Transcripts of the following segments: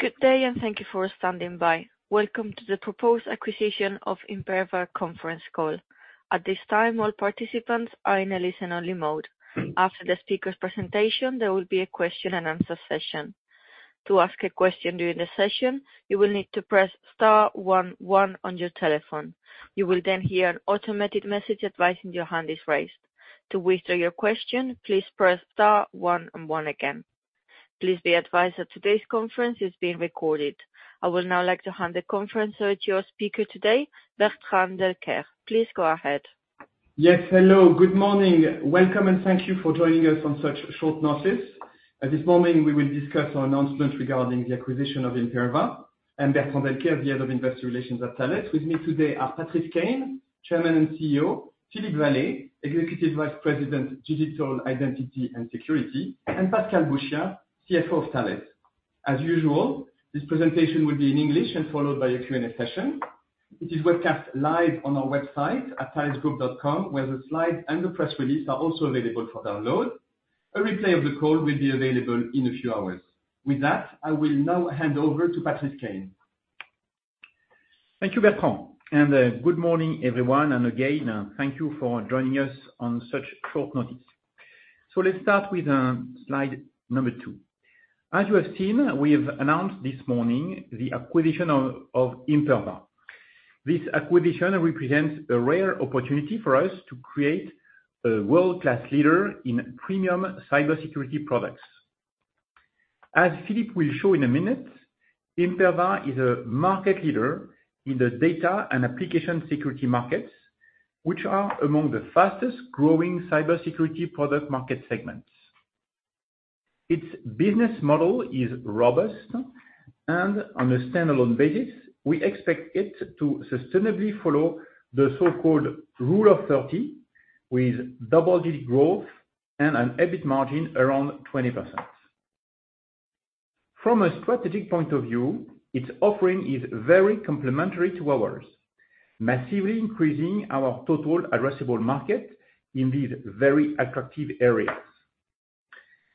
Good day, thank you for standing by. Welcome to the proposed acquisition of Imperva conference call. At this time, all participants are in a listen-only mode. After the speaker's presentation, there will be a question and answer session. To ask a question during the session, you will need to press * one one on your telephone. You will hear an automated message advising your hand is raised. To withdraw your question, please press * one and one again. Please be advised that today's conference is being recorded. I would now like to hand the conference over to your speaker today, Bertrand Delcaire. Please go ahead. Yes, hello. Good morning. Welcome, thank you for joining us on such short notice. This morning, we will discuss our announcement regarding the acquisition of Imperva. I'm Bertrand Delcaire, the Head of Investor Relations at Thales. With me today are Patrice Caine, Chairman and CEO, Philippe Vallée, Executive Vice President, Digital Identity and Security, and Pascal Bouchiat, CFO of Thales. As usual, this presentation will be in English and followed by a Q&A session, which is webcast live on our website at thalesgroup.com, where the slides and the press release are also available for download. A replay of the call will be available in a few hours. With that, I will now hand over to Patrice Caine. Thank you, Bertrand. Good morning, everyone, and again, thank you for joining us on such short notice. Let's start with slide number 2. As you have seen, we have announced this morning the acquisition of Imperva. This acquisition represents a rare opportunity for us to create a world-class leader in premium cybersecurity products. As Philippe will show in a minute, Imperva is a market leader in the data and application security markets, which are among the fastest growing cybersecurity product market segments. Its business model is robust. On a standalone basis, we expect it to sustainably follow the so-called Rule of 30, with double-digit growth and an EBIT margin around 20%. From a strategic point of view, its offering is very complementary to ours, massively increasing our total addressable market in these very attractive areas.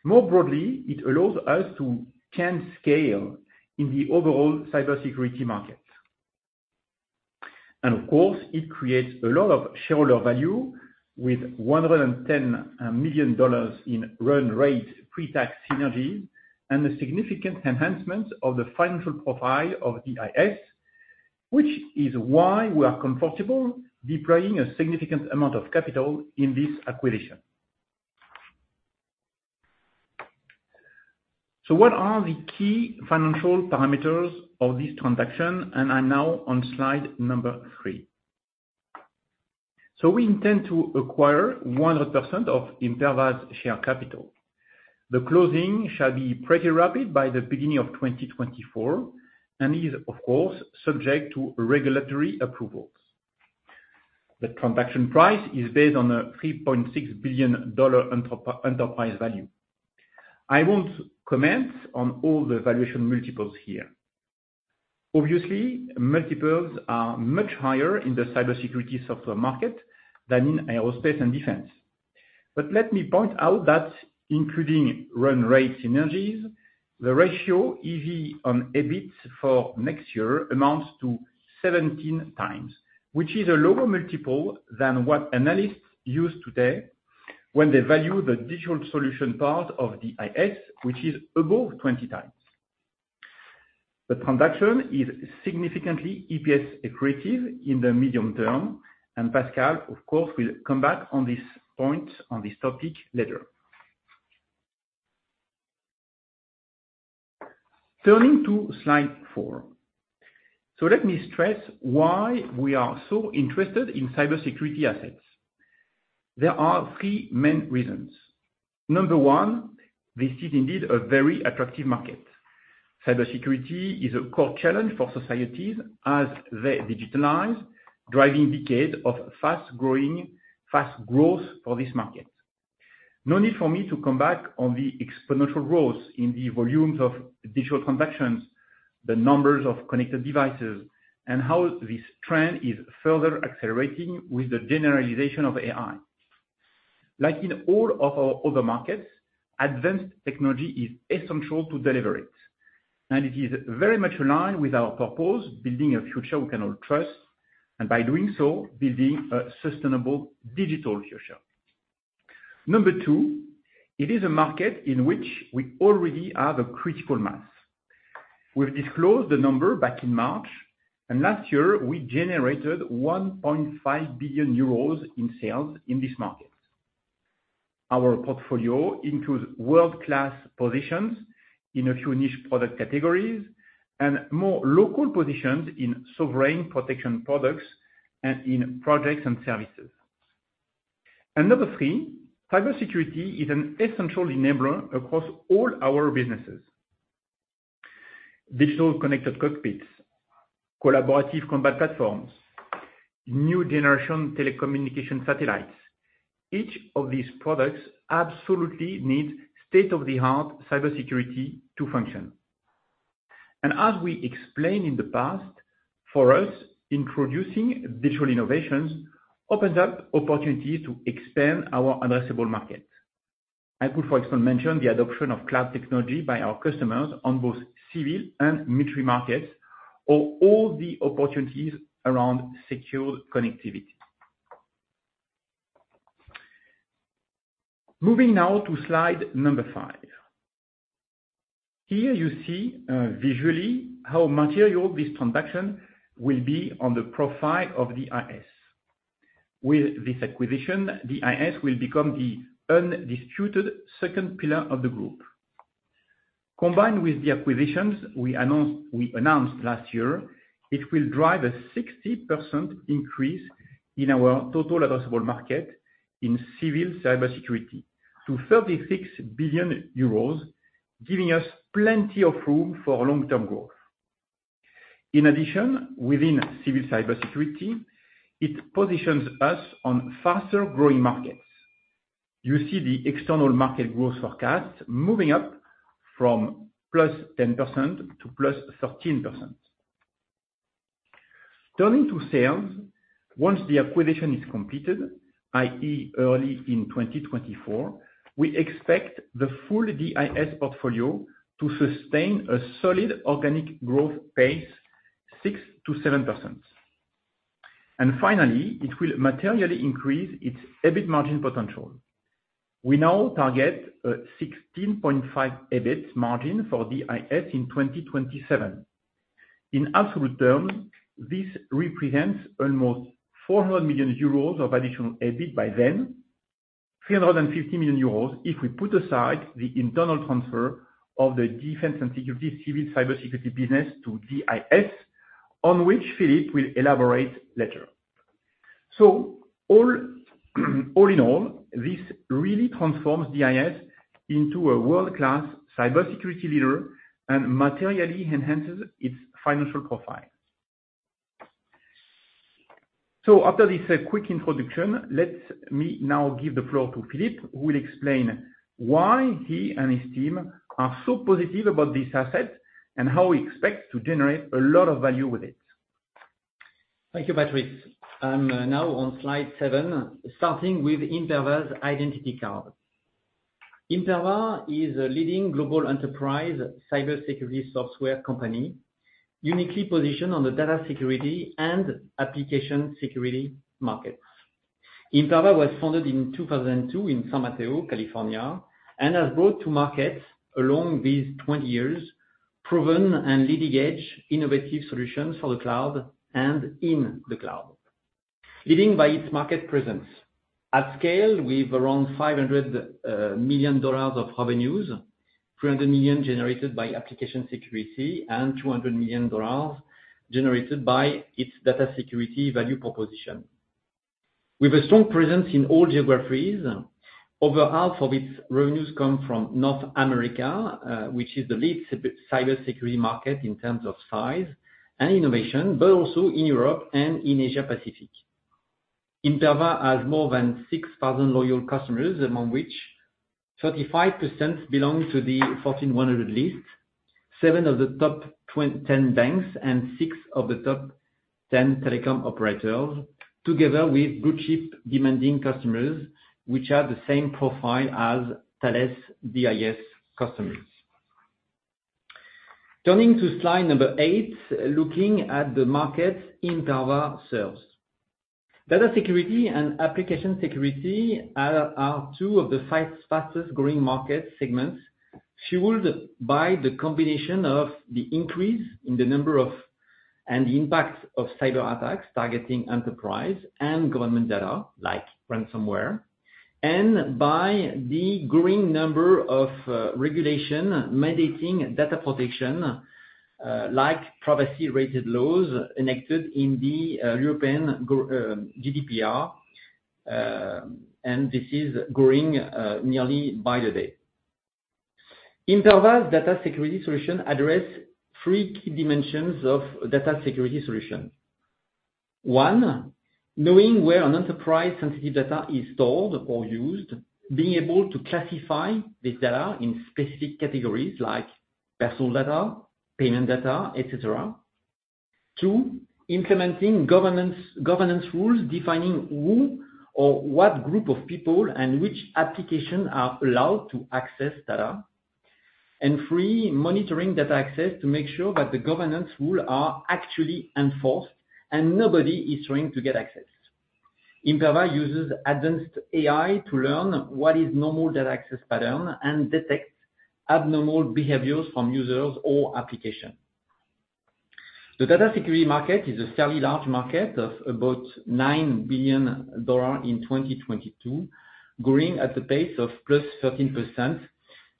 More broadly, it allows us to change scale in the overall cybersecurity market. Of course, it creates a lot of shareholder value with $110 million in run rate pre-tax synergy and a significant enhancement of the financial profile of DIS, which is why we are comfortable deploying a significant amount of capital in this acquisition. What are the key financial parameters of this transaction? I'm now on slide number 3. We intend to acquire 100% of Imperva's share capital. The closing shall be pretty rapid by the beginning of 2024, and is, of course, subject to regulatory approvals. The transaction price is based on a $3.6 billion enterprise value. I won't comment on all the valuation multiples here. Obviously, multiples are much higher in the cybersecurity software market than in aerospace and defense. Let me point out that including run rate synergies, the ratio, EV on EBIT for next year amounts to 17 times, which is a lower multiple than what analysts use today when they value the digital solution part of the DIS, which is above 20 times. The transaction is significantly EPS accretive in the medium term, and Pascal Bouchiat, of course, will come back on this point, on this topic later. Turning to slide four. Let me stress why we are so interested in cybersecurity assets. There are three main reasons. Number one, this is indeed a very attractive market. Cybersecurity is a core challenge for societies as they digitalize, driving decades of fast growth for this market. No need for me to come back on the exponential growth in the volumes of digital transactions, the numbers of connected devices, and how this trend is further accelerating with the generalization of AI. Like in all of our other markets, advanced technology is essential to deliver it, and it is very much aligned with our purpose: building a future we can all trust, and by doing so, building a sustainable digital future. Number two, it is a market in which we already have a critical mass. We've disclosed the number back in March, and last year, we generated 1.5 billion euros in sales in this market. Our portfolio includes world-class positions in a few niche product categories and more local positions in sovereign protection products and in projects and services. Number three, cybersecurity is an essential enabler across all our businesses. Digital connected cockpits, collaborative combat platforms, new generation telecommunication satellites, each of these products absolutely needs state-of-the-art cybersecurity to function. As we explained in the past, for us, introducing digital innovations opens up opportunities to expand our addressable market. I could, for example, mention the adoption of cloud technology by our customers on both civil and military markets, or all the opportunities around secure connectivity. Moving now to slide number 5. Here you see visually how material this transaction will be on the profile of the DIS. With this acquisition, the DIS will become the undisputed second pillar of the group. Combined with the acquisitions we announced last year, it will drive a 60% increase in our total addressable market in civil cybersecurity to 36 billion euros, giving us plenty of room for long-term growth. In addition, within civil cybersecurity, it positions us on faster growing markets. You see the external market growth forecast moving up from +10% to +13%. Turning to sales, once the acquisition is completed, i.e., early in 2024, we expect the full DIS portfolio to sustain a solid organic growth pace, 6%-7%. Finally, it will materially increase its EBIT margin potential. We now target a 16.5 EBIT margin for DIS in 2027. In absolute terms, this represents almost 400 million euros of additional EBIT by then, 350 million euros if we put aside the internal transfer of the defense and security, civil cybersecurity business to DIS, on which Philippe will elaborate later. All, all in all, this really transforms DIS into a world-class cybersecurity leader and materially enhances its financial profile. After this quick introduction, let me now give the floor to Philippe, who will explain why he and his team are so positive about this asset and how we expect to generate a lot of value with it. Thank you, Patrice. I'm now on slide 7, starting with Imperva's identity card. Imperva is a leading global enterprise cybersecurity software company, uniquely positioned on the data security and application security markets. Imperva was founded in 2002 in San Mateo, California, has brought to market, along these 20 years, proven and leading-edge innovative solutions for the cloud and in the cloud. Leading by its market presence, at scale, with around $500 million of revenues, $300 million generated by application security, $200 million generated by its data security value proposition. With a strong presence in all geographies, over half of its revenues come from North America, which is the lead cybersecurity market in terms of size and innovation, also in Europe and in Asia Pacific. Imperva has more than 6,000 loyal customers, among which 35% belong to the Fortune 100 list, 7 of the top 10 banks, and 6 of the top 10 telecom operators, together with good, cheap, demanding customers, which have the same profile as Thales DIS customers. Turning to slide number 8, looking at the markets Imperva serves. Data security and application security are 2 of the 5 fastest growing market segments, fueled by the combination of the increase in the number of, and the impact of cyberattacks targeting enterprise and government data, like ransomware, and by the growing number of regulation, mandating data protection, like privacy-related laws enacted in the European GDPR, and this is growing nearly by the day. Imperva's data security solution address 3 key dimensions of data security solution. One, knowing where an enterprise sensitive data is stored or used, being able to classify this data in specific categories like personal data, payment data, etc. Two, implementing governance rules, defining who or what group of people and which application are allowed to access data. Three, monitoring data access to make sure that the governance rule are actually enforced, and nobody is trying to get access. Imperva uses advanced AI to learn what is normal data access pattern and detect abnormal behaviors from users or application. The data security market is a fairly large market of about $9 billion in 2022, growing at a pace of +13%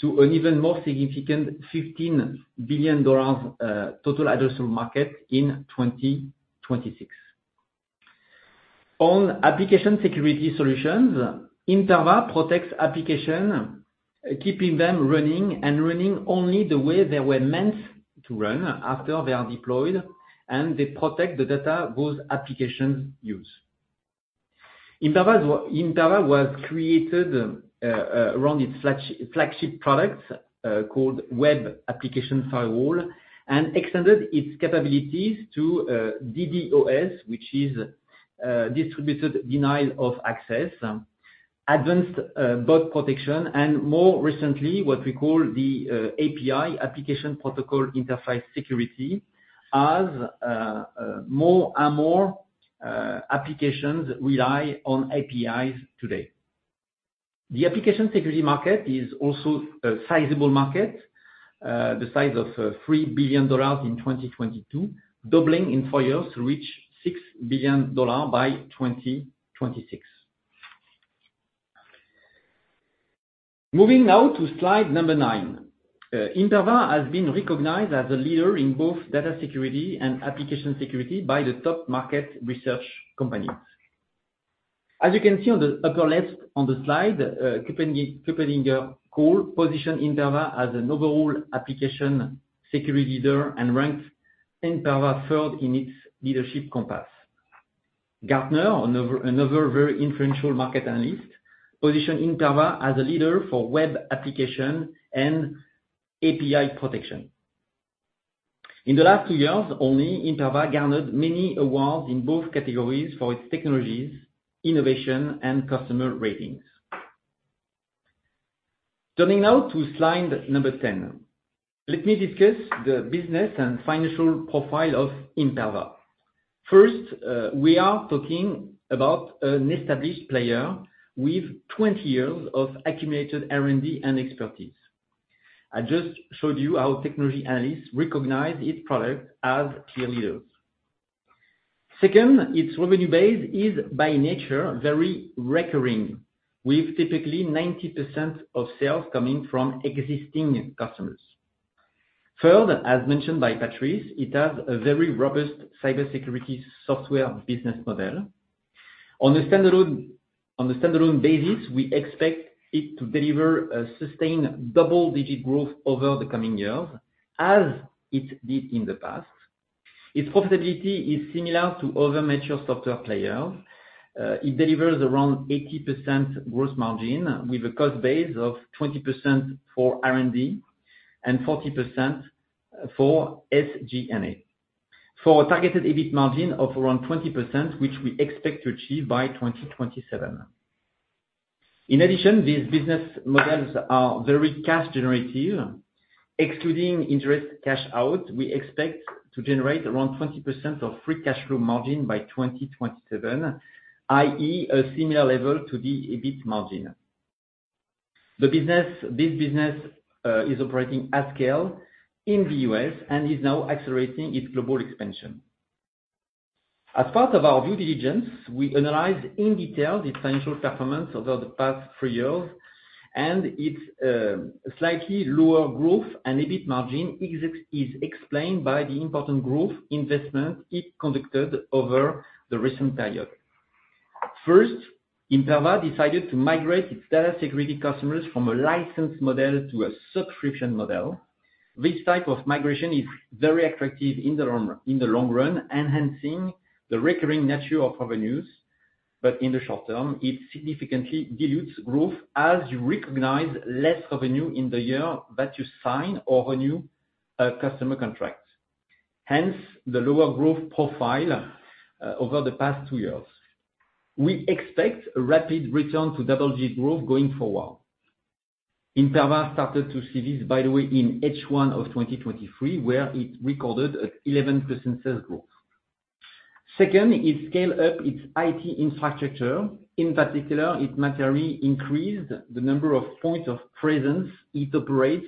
to an even more significant $15 billion total addressable market in 2026. On application security solutions, Imperva protects application, keeping them running and running only the way they were meant to run after they are deployed, and they protect the data those applications use. Imperva was created around its flagship product called Web Application Firewall, and extended its capabilities to DDoS, which is Distributed Denial of Service, advanced bot protection, and more recently, what we call the API, Application Programming Interface security, as more and more applications rely on APIs today. The application security market is also a sizable market, the size of $3 billion in 2022, doubling in 4 years to reach $6 billion by 2026. Moving now to slide 9. Imperva has been recognized as a leader in both data security and application security by the top market research companies. As you can see on the upper left, on the slide, KuppingerCole position Imperva as an overall application security leader and ranks Imperva third in its leadership compass. Gartner, another very influential market analyst, position Imperva as a leader for web application and API protection. In the last 2 years, only Imperva garnered many awards in both categories for its technologies, innovation, and customer ratings. Turning now to slide number 10, let me discuss the business and financial profile of Imperva. First, we are talking about an established player with 20 years of accumulated R&D and expertise. I just showed you how technology analysts recognize its product as clear leaders. Second, its revenue base is, by nature, very recurring, with typically 90% of sales coming from existing customers. Third, as mentioned by Patrice, it has a very robust cybersecurity software business model. On a standalone basis, we expect it to deliver a sustained double-digit growth over the coming years, as it did in the past. Its profitability is similar to other mature software players. It delivers around 80% gross margin, with a cost base of 20% for R&D and 40% for SG&A, for a targeted EBIT margin of around 20%, which we expect to achieve by 2027. In addition, these business models are very cash generative. Excluding interest cash out, we expect to generate around 20% of free cash flow margin by 2027, i.e., a similar level to the EBIT margin. This business is operating at scale in the U.S. and is now accelerating its global expansion. As part of our due diligence, we analyzed in detail the financial performance over the past three years, and its slightly lower growth and EBIT margin is explained by the important growth investment it conducted over the recent period. First, Imperva decided to migrate its data security customers from a licensed model to a subscription model. This type of migration is very attractive in the long run, enhancing the recurring nature of revenues, but in the short term, it significantly dilutes growth, as you recognize less revenue in the year that you sign or renew a customer contract, hence, the lower growth profile over the past two years. We expect a rapid return to double-digit growth going forward. Imperva started to see this, by the way, in H1 of 2023, where it recorded an 11% sales growth. Second, it scale up its IT infrastructure. In particular, it materially increased the number of points of presence it operates.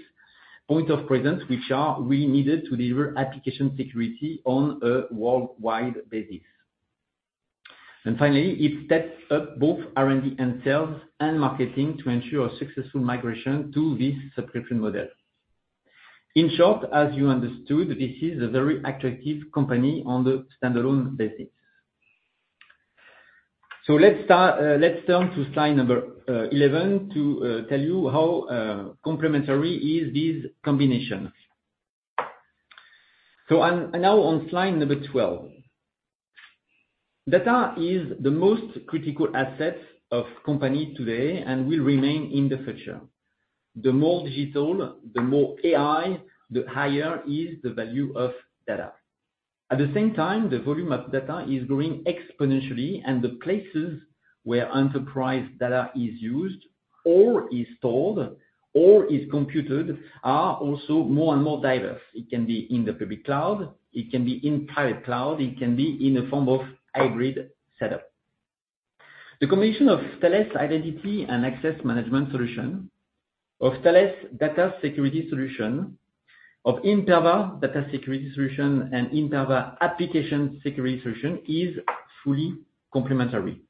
Point of presence, which are really needed to deliver application security on a worldwide basis. Finally, it steps up both R&D, and sales, and marketing to ensure a successful migration to this subscription model. In short, as you understood, this is a very attractive company on the standalone basis. Let's start, let's turn to slide number 11, to tell you how complementary is this combination. Now on slide number 12. Data is the most critical asset of company today and will remain in the future. The more digital, the more AI, the higher is the value of data. At the same time, the volume of data is growing exponentially, and the places where enterprise data is used, or is stored, or is computed, are also more and more diverse. It can be in the public cloud, it can be in private cloud, it can be in a form of hybrid setup. The combination of Thales identity and access management solution, of Thales data security solution, of Imperva data security solution, and Imperva application security solution is fully complementary.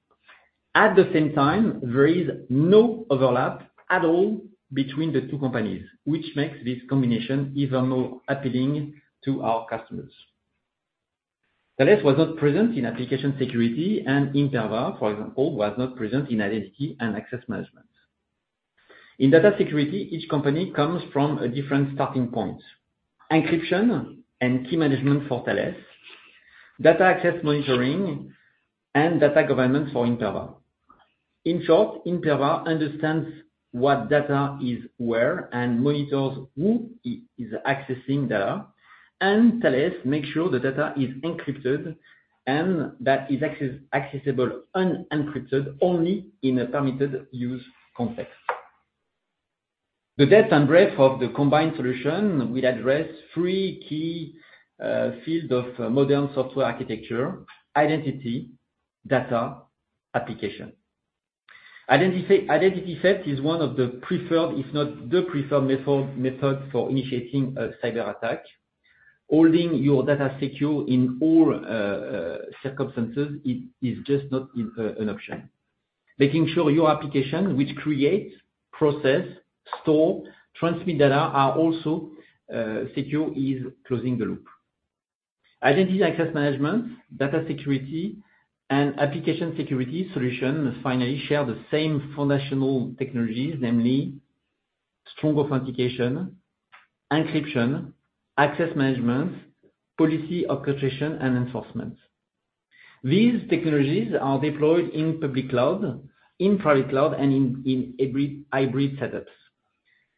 At the same time, there is no overlap at all between the two companies, which makes this combination even more appealing to our customers. Thales was not present in application security, and Imperva, for example, was not present in identity and access management. In data security, each company comes from a different starting point. Encryption and key management for Thales, data access monitoring and data governance for Imperva. In short, Imperva understands what data is where and monitors who is accessing data, and Thales makes sure the data is encrypted and that is accessible, unencrypted only in a permitted use context. The depth and breadth of the combined solution will address three key field of modern software architecture: identity, data, application. Identity, identity theft is one of the preferred, if not the preferred method for initiating a cyberattack. Holding your data secure in all circumstances, it is just not an option. Making sure your application, which create, process, store, transmit data, are also secure is closing the loop. Identity access management, data security, and application security solution finally share the same foundational technologies, namely strong authentication, encryption, access management, policy orchestration, and enforcement. These technologies are deployed in public cloud, in private cloud, and in hybrid setups.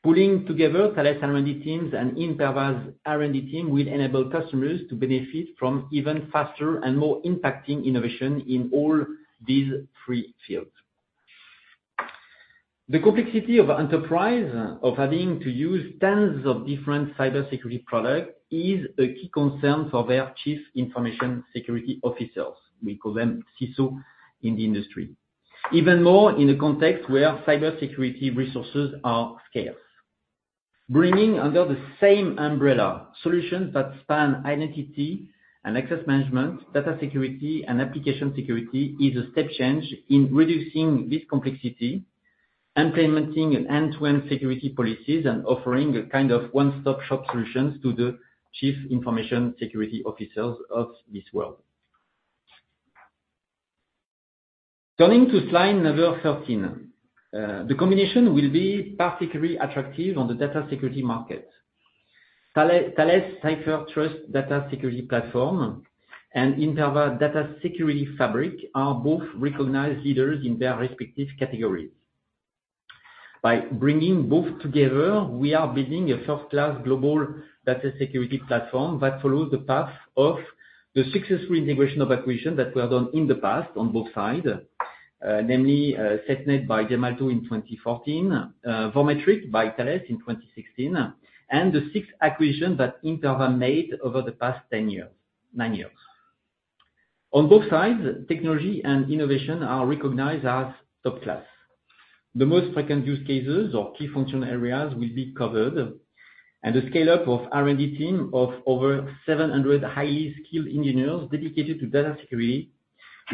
Pulling together Thales R&D teams and Imperva's R&D team will enable customers to benefit from even faster and more impacting innovation in all these three fields. The complexity of enterprise of having to use tons of different cybersecurity product is a key concern for their chief information security officers. We call them CISO in the industry. Even more in a context where cybersecurity resources are scarce. Bringing under the same umbrella solutions that span identity and access management, data security, and application security is a step change in reducing this complexity and implementing an end-to-end security policies and offering a kind of one-stop shop solutions to the chief information security officers of this world. Turning to slide number 13. The combination will be particularly attractive on the data security market. Thales CipherTrust Data Security Platform and Imperva Data Security Fabric are both recognized leaders in their respective categories. By bringing both together, we are building a first-class global data security platform that follows the path of the successful integration of acquisition that were done in the past on both sides. Namely, SafeNet by Gemalto in 2014, Vormetric by Thales in 2016, and the six acquisitions that Imperva made over the past nine years. On both sides, technology and innovation are recognized as top class. The most frequent use cases or key functional areas will be covered, and the scale-up of R&D team of over 700 highly skilled engineers dedicated to data security,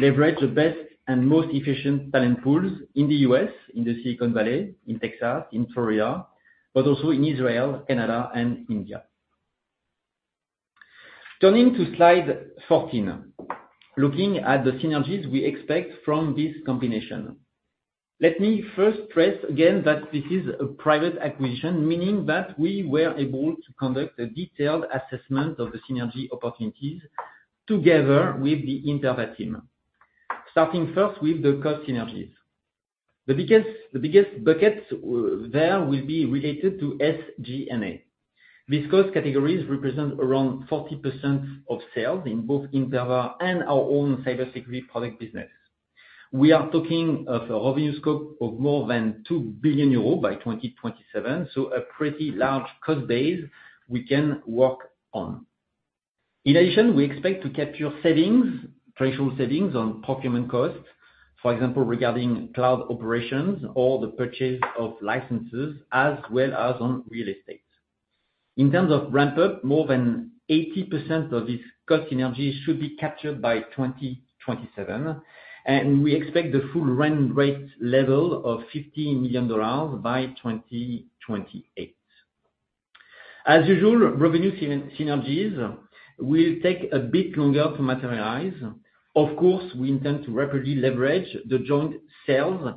leverage the best and most efficient talent pools in the U.S., in the Silicon Valley, in Texas, in Florida, but also in Israel, Canada, and India. Looking at slide 14. Looking at the synergies we expect from this combination. Let me first stress again that this is a private acquisition, meaning that we were able to conduct a detailed assessment of the synergy opportunities together with the Imperva team. Starting first with the cost synergies. The biggest bucket there will be related to SG&A. These cost categories represent around 40% of sales in both Imperva and our own cybersecurity product business. We are talking of a revenue scope of more than 2 billion euros by 2027, so a pretty large cost base we can work on. In addition, we expect to capture threshold settings on procurement costs, for example, regarding cloud operations or the purchase of licenses, as well as on real estate. In terms of ramp up, more than 80% of this cost synergy should be captured by 2027. We expect the full run rate level of $50 million by 2028. As usual, revenue synergies will take a bit longer to materialize. Of course, we intend to rapidly leverage the joint sales,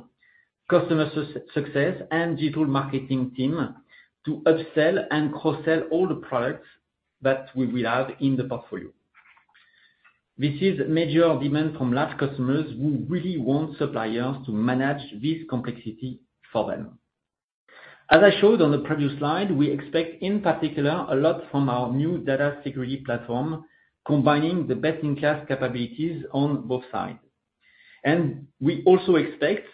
customer success, and digital marketing team to upsell and cross-sell all the products that we will have in the portfolio. This is major demand from large customers who really want suppliers to manage this complexity for them. As I showed on the previous slide, we expect, in particular, a lot from our new Data Security Platform, combining the best-in-class capabilities on both sides. We also expect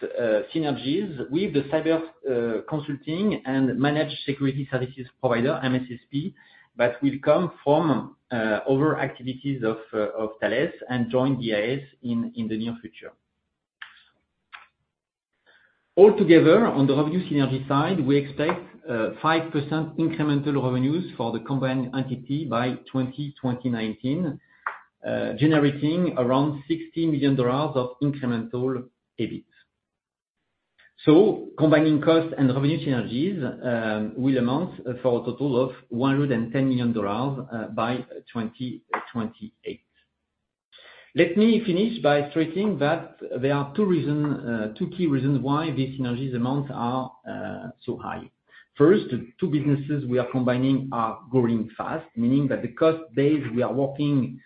synergies with the cyber consulting and managed security services provider, MSSP, that will come from other activities of Thales and join DIS in the near future. Altogether, on the revenue synergy side, we expect 5% incremental revenues for the combined entity by 2019, generating around $60 million of incremental EBIT. Combining costs and revenue synergies will amount for a total of $110 million by 2028. Let me finish by stating that there are two reason, two key reasons why these synergies amounts are so high. First, the two businesses we are combining are growing fast, meaning that the cost base we are working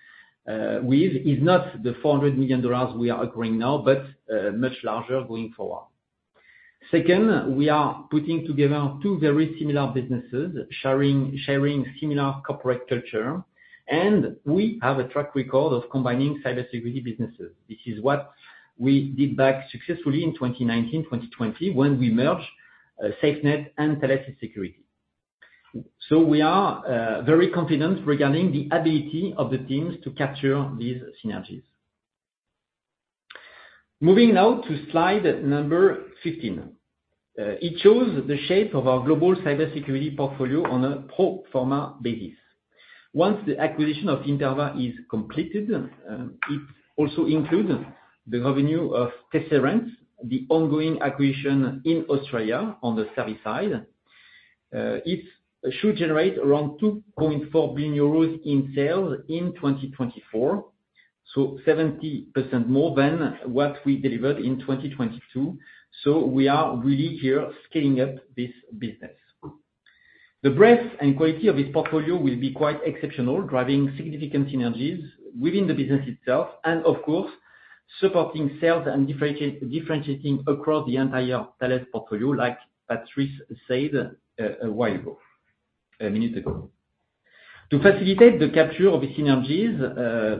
with is not the $400 million we are agreeing now, but much larger going forward. Second, we are putting together two very similar businesses, sharing similar corporate culture, and we have a track record of combining cybersecurity businesses. This is what we did back successfully in 2019, 2020, when we merged SafeNet and Thales eSecurity. We are very confident regarding the ability of the teams to capture these synergies. Moving now to slide number 15. It shows the shape of our global cybersecurity portfolio on a pro forma basis. Once the acquisition of Imperva is completed, it also includes the revenue of Tesserent, the ongoing acquisition in Australia on the service side. It should generate around 2.4 billion euros in sales in 2024, 70% more than what we delivered in 2022. We are really here scaling up this business. The breadth and quality of this portfolio will be quite exceptional, driving significant synergies within the business itself, and of course, supporting sales and differentiating across the entire Thales portfolio, like Patrice said a while ago, a minute ago. To facilitate the capture of the synergies,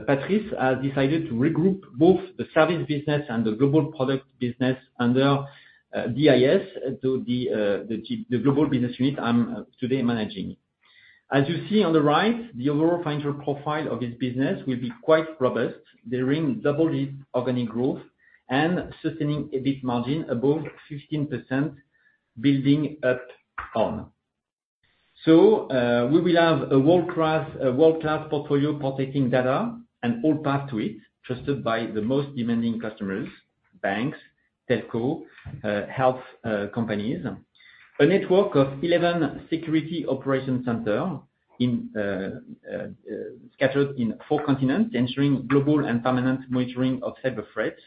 Patrice has decided to regroup both the service business and the global product business under DIS to the global business unit I'm today managing. As you see on the right, the overall financial profile of this business will be quite robust, delivering double digit organic growth and sustaining EBIT margin above 15% building up on. We will have a world-class portfolio protecting data and all path to it, trusted by the most demanding customers, banks, telco, health companies. A network of 11 security operations centers scattered in four continents, ensuring global and permanent monitoring of cyber threats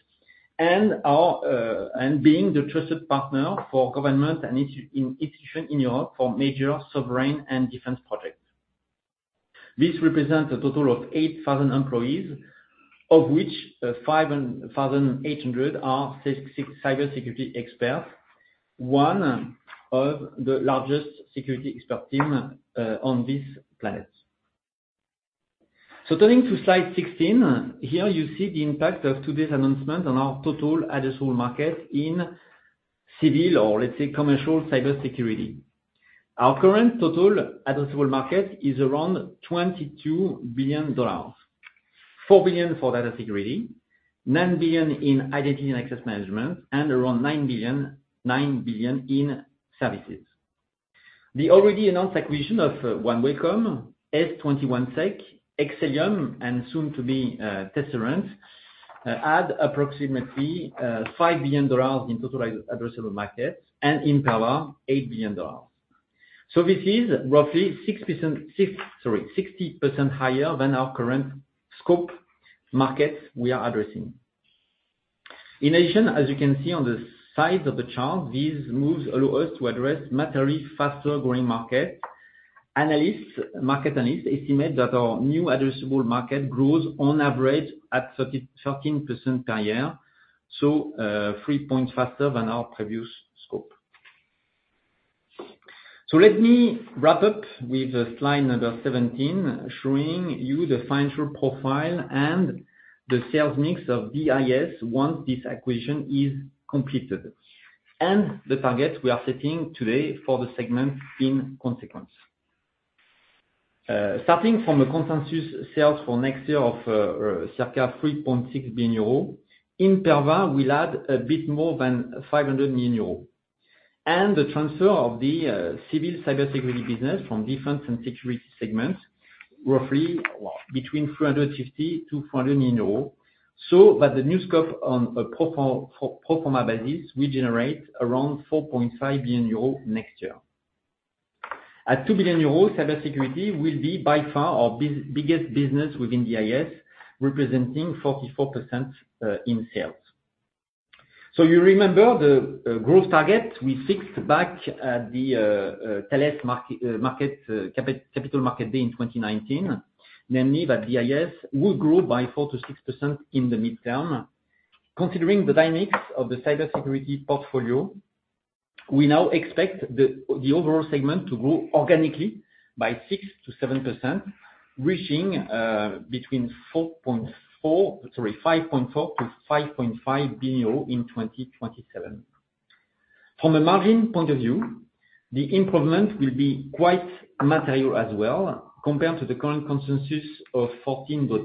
and being the trusted partner for government and institution in Europe for major sovereign and defense projects. This represents a total of 8,000 employees, of which 5,800 are cybersecurity experts, one of the largest security expert team on this planet. Turning to slide 16, here you see the impact of today's announcement on our total addressable market in civil, or let's say, commercial cybersecurity. Our current total addressable market is around $22 billion, $4 billion for data security, $9 billion in identity and access management, and around $9 billion in services. The already announced acquisition of OneWelcome, S21sec, Excellium, and soon to be Tesserent, add approximately $5 billion in total addressable markets and in power, $8 billion. This is roughly 6%, 60% higher than our current scope markets we are addressing. In addition, as you can see on the side of the chart, these moves allow us to address materially faster growing market. Analysts, market analysts estimate that our new addressable market grows on average at 13% per year, so 3 points faster than our previous scope. Let me wrap up with slide number 17, showing you the financial profile and the sales mix of DIS once this acquisition is completed, and the target we are setting today for the segment in consequence. Starting from the consensus sales for next year of circa 3.6 billion euros, Imperva will add a bit more than 500 million euros. The transfer of the civil cybersecurity business from defense and security segments, roughly between 350 million-400 million euros, so that the new scope on a pro forma basis will generate around 4.5 billion euros next year. At 2 billion euros, cybersecurity will be by far our biggest business within DIS, representing 44% in sales. You remember the growth target we fixed back at the Thales capital market day in 2019, namely that DIS will grow by 4%-6% in the midterm. Considering the dynamics of the cybersecurity portfolio, we now expect the overall segment to grow organically by 6%-7%, reaching between 5.4 billion-5.5 billion in 2027. From a margin point of view, the improvement will be quite material as well compared to the current consensus of 14.4%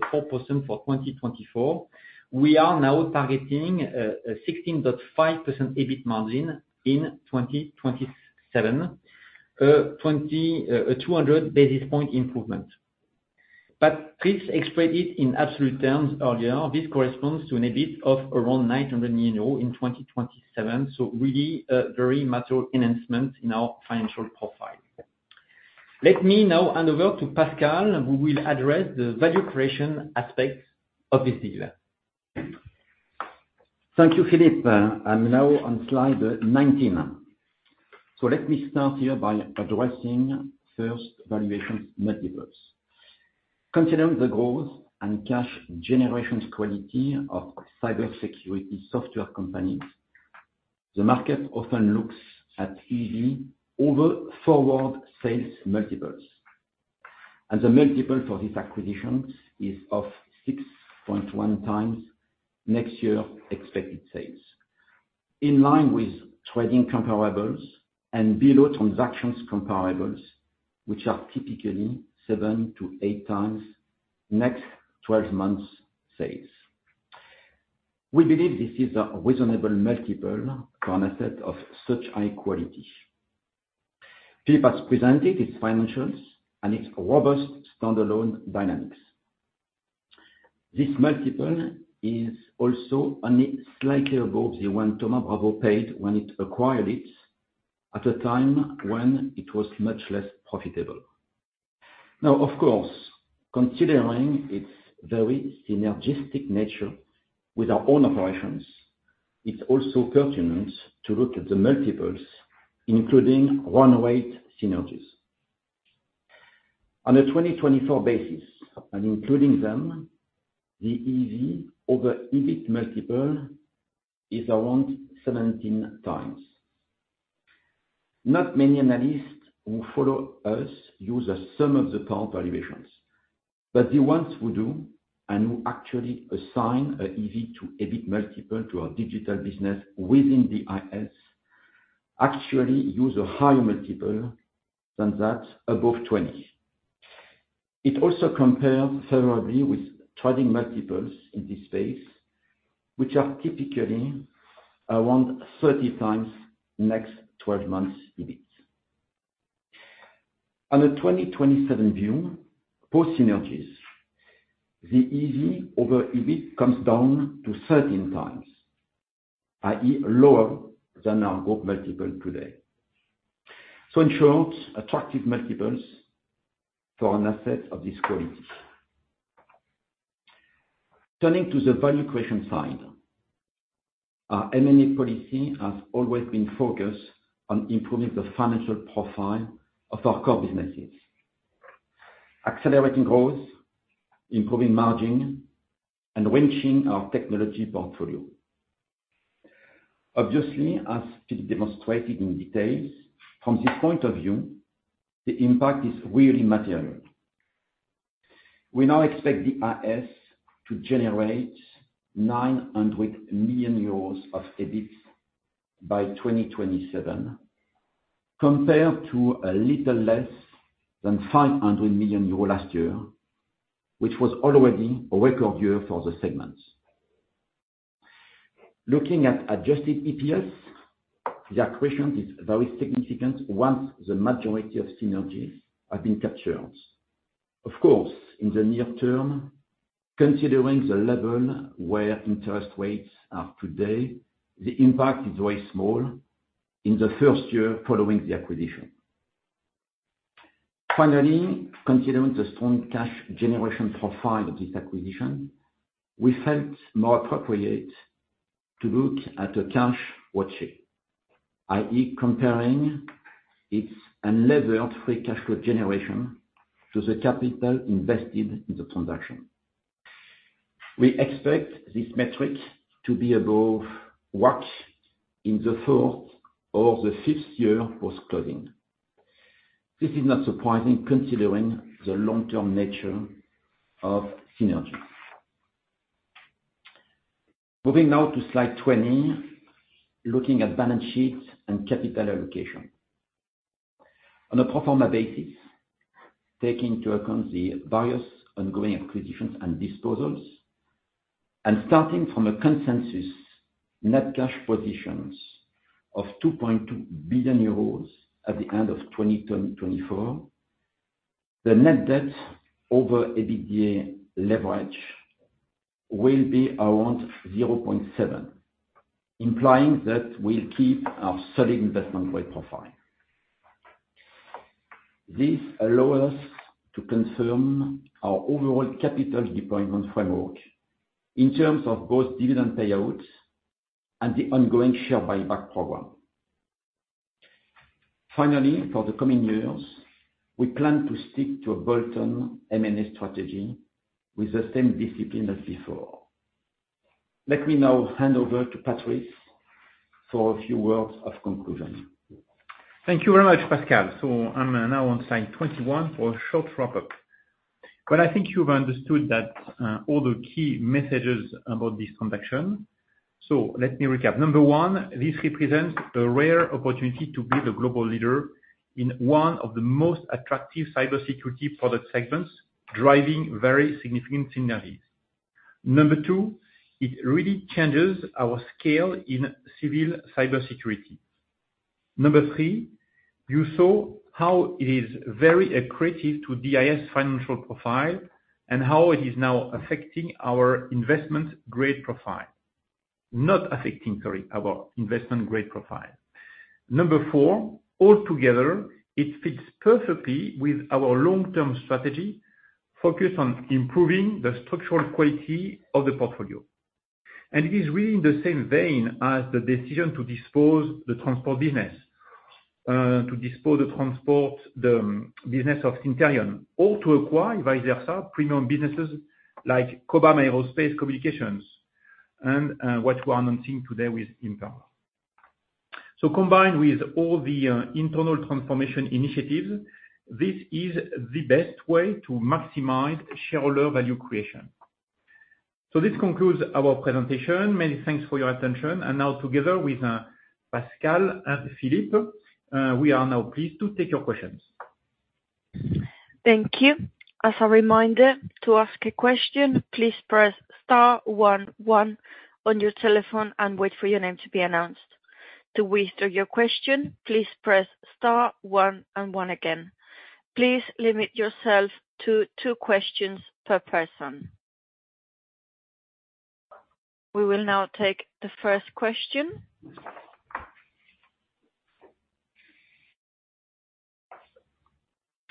for 2024. We are now targeting a 16.5% EBIT margin in 2027, 200 basis point improvement. Please explain it in absolute terms earlier, this corresponds to an EBIT of around 900 million euros in 2027. Really a very material enhancement in our financial profile. Let me now hand over to Pascal, who will address the value creation aspects of this deal. Thank you, Philippe. I'm now on slide 19. Let me start here by addressing first valuation multiples. Considering the growth and cash generation quality of cybersecurity software companies, the market often looks at EV over forward sales multiples, and the multiple for this acquisition is of 6.1x next year expected sales, in line with trading comparables and below transactions comparables, which are typically 7x-8x next 12 months sales. We believe this is a reasonable multiple for an asset of such high quality. Philippe has presented its financials and its robust standalone dynamics. This multiple is also only slightly above the one Thoma Bravo paid when it acquired it, at a time when it was much less profitable. Of course, considering its very synergistic nature with our own operations, it's also pertinent to look at the multiples, including run-rate synergies. On a 2024 basis, and including them, the EV over EBIT multiple is around 17x. Not many analysts who follow us use the sum of the part valuations, but the ones who do, and who actually assign a EV to EBIT multiple to our digital business within the DIS, actually use a higher multiple than that, above 20x. It also compares favorably with trading multiples in this space, which are typically around 30x next 12 months EBIT. On a 2027 view, post synergies, the EV over EBIT comes down to 13x, i.e., lower than our group multiple today. In short, attractive multiples for an asset of this quality. Turning to the value creation side, our M&A policy has always been focused on improving the financial profile of our core businesses, accelerating growth, improving margin, and enriching our technology portfolio. Obviously, as Philippe demonstrated in details, from this point of view, the impact is really material. We now expect the DIS to generate 900 million euros of EBIT by 2027, compared to a little less than 500 million euros last year, which was already a record year for the segment. In the near term, considering the level where interest rates are today, the impact is very small in the first year following the acquisition. Considering the strong cash generation profile of this acquisition, we felt more appropriate to look at the cash watch shape, i.e, comparing its unlevered free cash flow generation to the capital invested in the transaction. We expect this metric to be above WACC in the fourth or the fifth year post-closing. This is not surprising, considering the long-term nature of synergies. Moving now to slide 20, looking at balance sheet and capital allocation. On a pro forma basis, taking into account the various ongoing acquisitions and disposals, and starting from a consensus net cash positions of 2.2 billion euros at the end of 2024, the net debt over EBITDA leverage will be around 0.7, implying that we'll keep our solid investment grade profile. This allows us to confirm our overall capital deployment framework in terms of both dividend payouts and the ongoing share buyback program. Finally, for the coming years, we plan to stick to a bolted M&A strategy with the same discipline as before. Let me now hand over to Patrice for a few words of conclusion. Thank you very much, Pascal. I'm now on slide 21 for a short wrap-up. I think you've understood that all the key messages about this transaction, let me recap. 1, this represents a rare opportunity to be the global leader in one of the most attractive cybersecurity product segments, driving very significant synergies. 2, it really changes our scale in civil cybersecurity. 3, you saw how it is very accretive to DIS financial profile, and how it is now affecting our investment grade profile.... not affecting, sorry, our investment grade profile. Number four, altogether, it fits perfectly with our long-term strategy, focused on improving the structural quality of the portfolio. It is really in the same vein as the decision to dispose the transport business, to dispose the business of Cinterion, all to acquire, vice versa, premium businesses like Cobham Aerospace Communications, and what we are announcing today with Imperva. Combined with all the internal transformation initiatives, this is the best way to maximize shareholder value creation. This concludes our presentation. Many thanks for your attention, and now together with Pascal and Philippe, we are now pleased to take your questions. Thank you. As a reminder, to ask a question, please press * 1 1 on your telephone and wait for your name to be announced. To withdraw your question, please press * 1 and 1 again. Please limit yourself to 2 questions per person. We will now take the first question.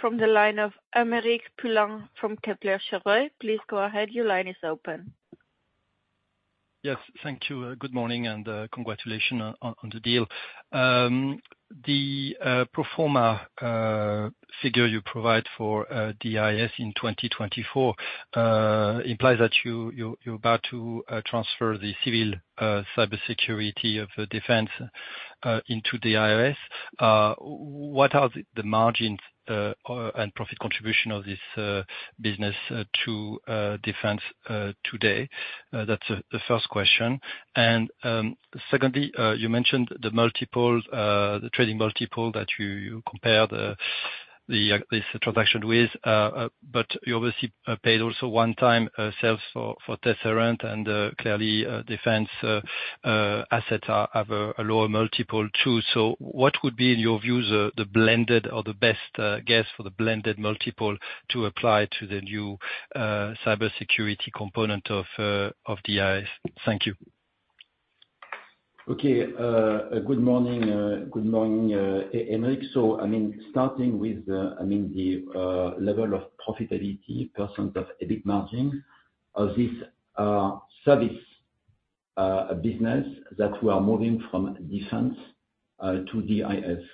From the line of Aymeric Poulain from Kepler Cheuvreux. Please go ahead. Your line is open. Yes, thank you. Good morning. Congratulations on the deal. The pro forma figure you provide for DIS in 2024 implies that you're about to transfer the civil cybersecurity of defense into DIS. What are the margins and profit contribution of this business to defense today? That's the first question. Secondly, you mentioned the multiple, the trading multiple that you compare this transaction with. You obviously paid also 1x sales for Tesserent, clearly defense assets have a lower multiple, too. What would be, in your view, the blended or the best guess for the blended multiple to apply to the new cybersecurity component of DIS? Thank you. Okay. Good morning, good morning, Aymeric Poulain. I mean, starting with the, I mean, the level of profitability percent of EBIT margin of this service business that we are moving from defense to DIS,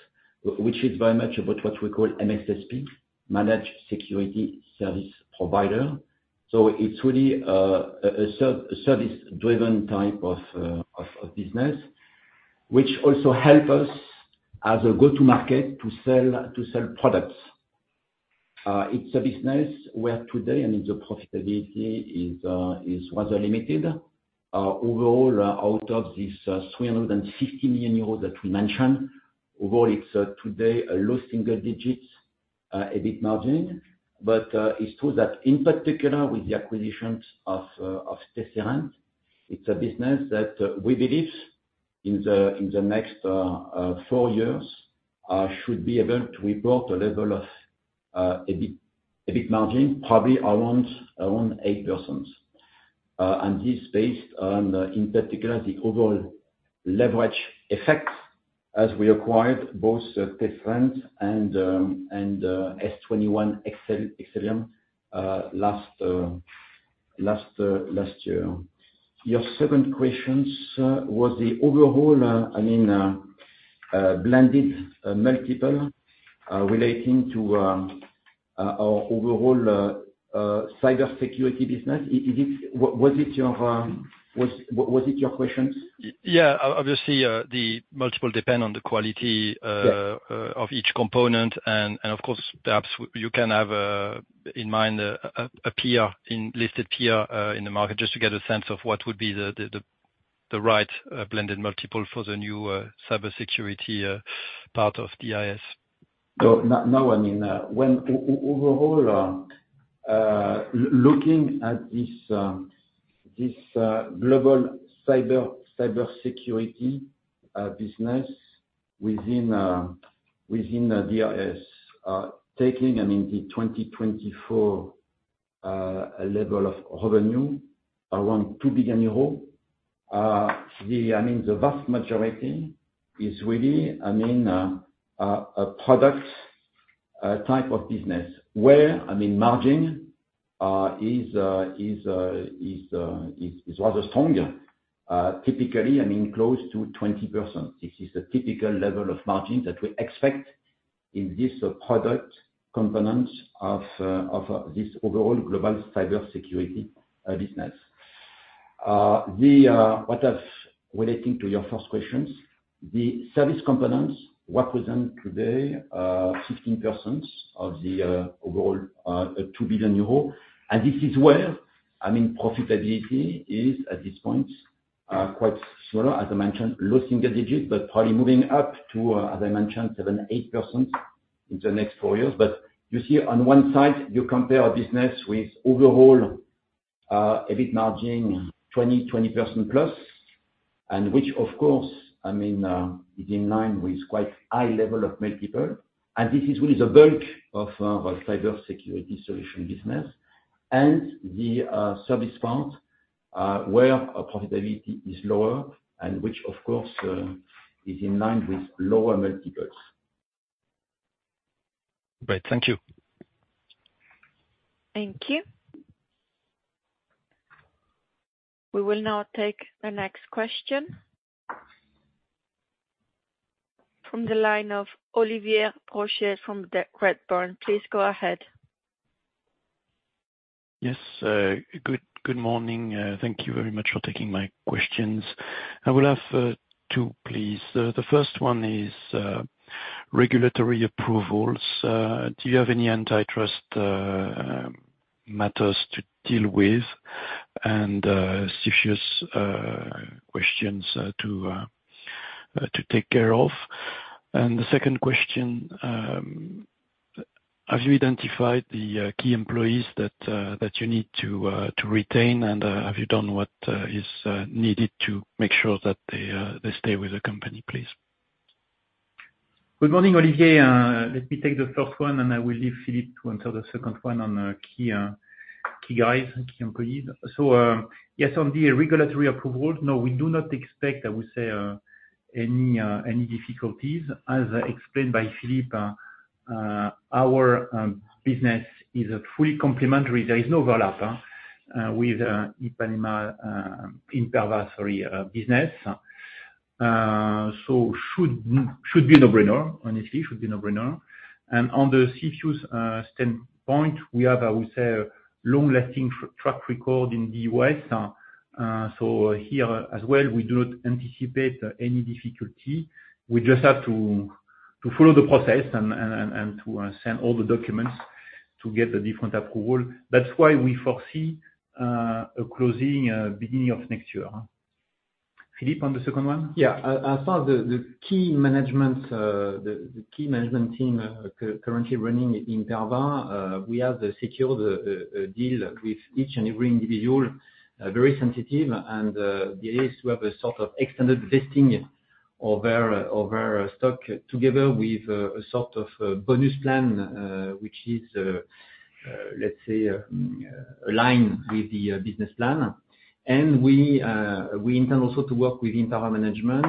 which is very much about what we call MSSP, Managed Security Service Provider. It's really a service-driven type of business, which also help us as a go-to-market to sell, to sell products. It's a business where today, and the profitability is rather limited. Overall, out of this 350 million euros that we mentioned, overall it's today, a low single digits EBIT margin. it's true that, in particular, with the acquisitions of Tesserent, it's a business that we believe in the next four years should be able to report a level of EBIT margin, probably around 8%. This based on, in particular, the overall leverage effect as we acquired both Tesserent and S21sec last year. Your second questions was the overall, I mean, blended multiple relating to our overall cybersecurity business. Was it your questions? Yeah. Obviously, the multiple depend on the quality. Yes... of each component, and of course, perhaps you can have in mind, a peer in, listed peer, in the market, just to get a sense of what would be the right, blended multiple for the new, cybersecurity, part of DIS. Now, I mean, when overall looking at this global cybersecurity business within the DIS, taking, I mean, the 2024 level of revenue around 2 billion euros, the, I mean, the vast majority is really, I mean, a product type of business, where, I mean, margin is rather stronger, typically, I mean, close to 20%. This is the typical level of margin that we expect in this product component of this overall global cybersecurity business. The what I've relating to your first questions, the service components represent today 15% of the overall 2 billion euro. This is where, I mean, profitability is, at this point, quite smaller, as I mentioned, low single digits, but probably moving up to, as I mentioned, 7%-8% in the next 4 years. You see, on one side, you compare our business with overall, EBIT margin 20% plus, and which of course, I mean, is in line with quite high level of multiple, and this is really the bulk of, our cybersecurity solution business.... and the service part, where our profitability is lower and which, of course, is in line with lower multiples. Great. Thank you. Thank you. We will now take the next question. From the line of Olivier Brochet from Redburn, please go ahead. Yes, good morning. Thank you very much for taking my questions. I will have two, please. The first one is regulatory approvals. Do you have any antitrust matters to deal with and serious questions to take care of? The second question, have you identified the key employees that you need to retain? Have you done what is needed to make sure that they stay with the company, please? Good morning, Olivier. Let me take the first one, and I will leave Philippe to answer the second one on key guys, key employees. Yes, on the regulatory approval, no, we do not expect, I would say, any difficulties. As explained by Philippe, our business is a fully complementary. There is no overlap with Ipanema, Imperva, sorry, business. Should be a no-brainer, honestly. On the issues standpoint, we have, I would say, a long-lasting track record in the U.S. Here as well, we do not anticipate any difficulty. We just have to follow the process and to send all the documents to get a different approval. That's why we foresee, a closing, beginning of next year. Philippe, on the second one? Yeah. As far as the key management, the key management team currently running Imperva, we have secured a deal with each and every individual, very sensitive. The is we have a sort of extended vesting of their stock together with a sort of bonus plan, which is let's say aligned with the business plan. We intend also to work with Imperva management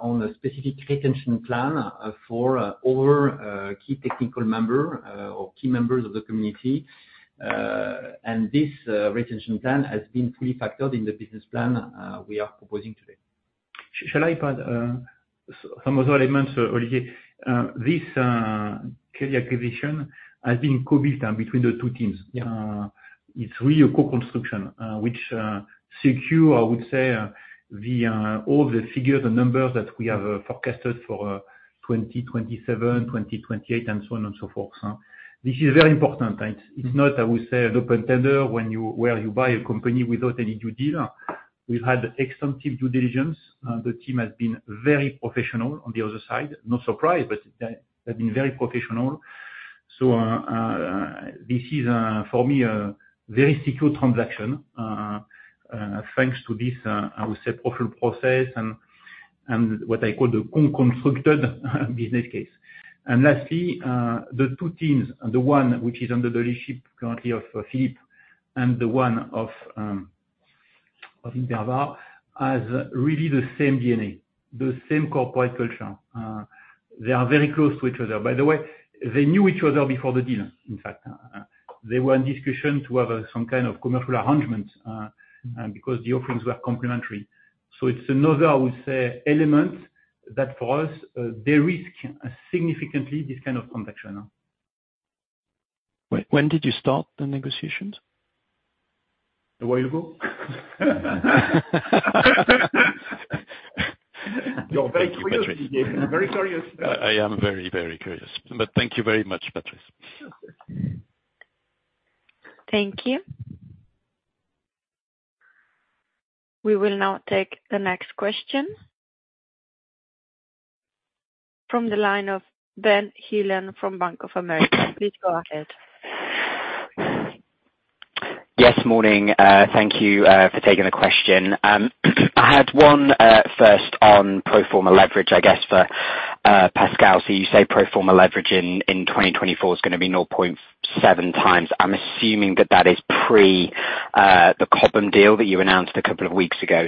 on a specific retention plan for our key technical member or key members of the community. This retention plan has been fully factored in the business plan we are proposing today. Shall I add, some other elements, Olivier? This Imperva acquisition has been co-built between the two teams. Yeah. co-construction uh which uh secure I would say uh the uh all the figures and numbers that we have uh forecasted for uh 2027 2028 and so on and so forth uh This is very important and it's not I would say an open tender when you where you buy a company without any due deal We've had extensive due diligence uh the team has been very professional on the other side No surprise but they they've been very professional So uh uh this is uh for me a very secure transaction uh uh thanks to this uh I would say proper process and and what I call the co-constructed business cas Lastly, the two teams, the one which is under the leadership currently of Philippe and the one of Imperva, has really the same DNA, the same corporate culture. They are very close to each other. By the way, they knew each other before the deal, in fact. They were in discussion to have some kind of commercial arrangement, and because the offerings were complementary. It's another, I would say, element that, for us, de-risk significantly this kind of transaction. When did you start the negotiations? A while ago. You're very curious, Olivier. Very curious. I am very, very curious. Thank you very much, Patrice. Thank you. We will now take the next question. From the line of Ben Heelan from Bank of America. Please go ahead. Yes, morning. Thank you for taking the question. I had one first on pro forma leverage, I guess, for Pascal. You say pro forma leverage in 2024 is gonna be 0.7 times. I'm assuming that that is pre the Cobham deal that you announced a couple of weeks ago.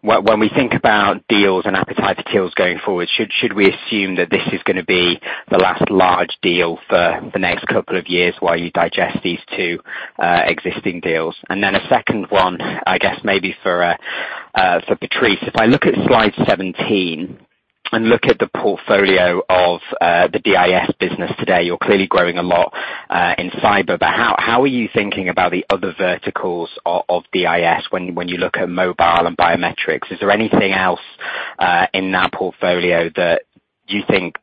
When we think about deals and appetite for deals going forward, should we assume that this is gonna be the last large deal for the next couple of years while you digest these two existing deals? Then a second one, I guess maybe for Patrice. If I look at slide 17 and look at the portfolio of the DIS business today, you're clearly growing a lot in cyber, how are you thinking about the other verticals of DIS when you look at mobile and biometrics? Is there anything else in that portfolio that you think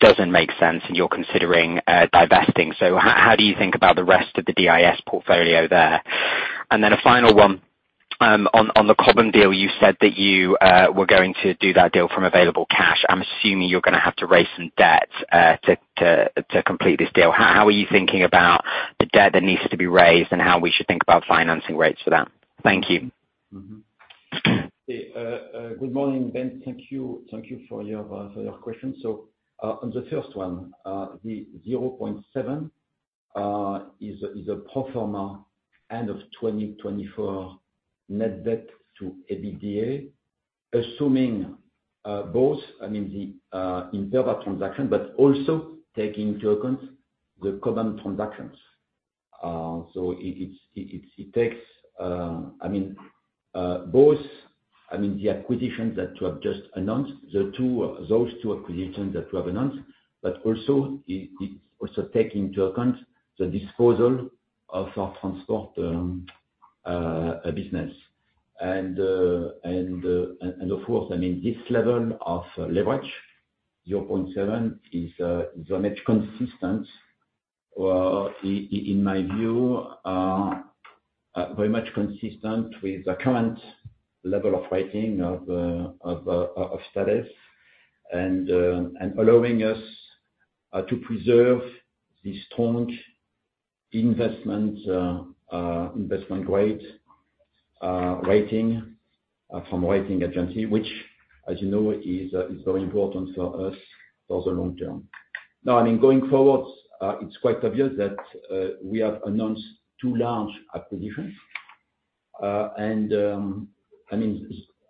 doesn't make sense and you're considering divesting? How do you think about the rest of the DIS portfolio there? A final one on the Cobham deal, you said that you were going to do that deal from available cash. I'm assuming you're gonna have to raise some debt to complete this deal. How are you thinking about the debt that needs to be raised and how we should think about financing rates for that? Thank you. Mm-hmm. Good morning, Ben. Thank you for your question. On the first one, the 0.7 is a pro forma end of 2024 net debt to EBITDA, assuming, both, I mean, the Imperva transaction, but also taking into account the current transactions. It takes, I mean, both, I mean, the acquisitions that we have just announced, those two acquisitions that we have announced, but also, it also take into account the disposal of our transport business. Of course, I mean, this level of leverage, 0.7, is very much consistent, in my view, very much consistent with the current level of rating of status and allowing us to preserve the strong investment grade rating from rating agency, which, as you know, is very important for us for the long term. I mean, going forward, it's quite obvious that we have announced two large acquisitions. I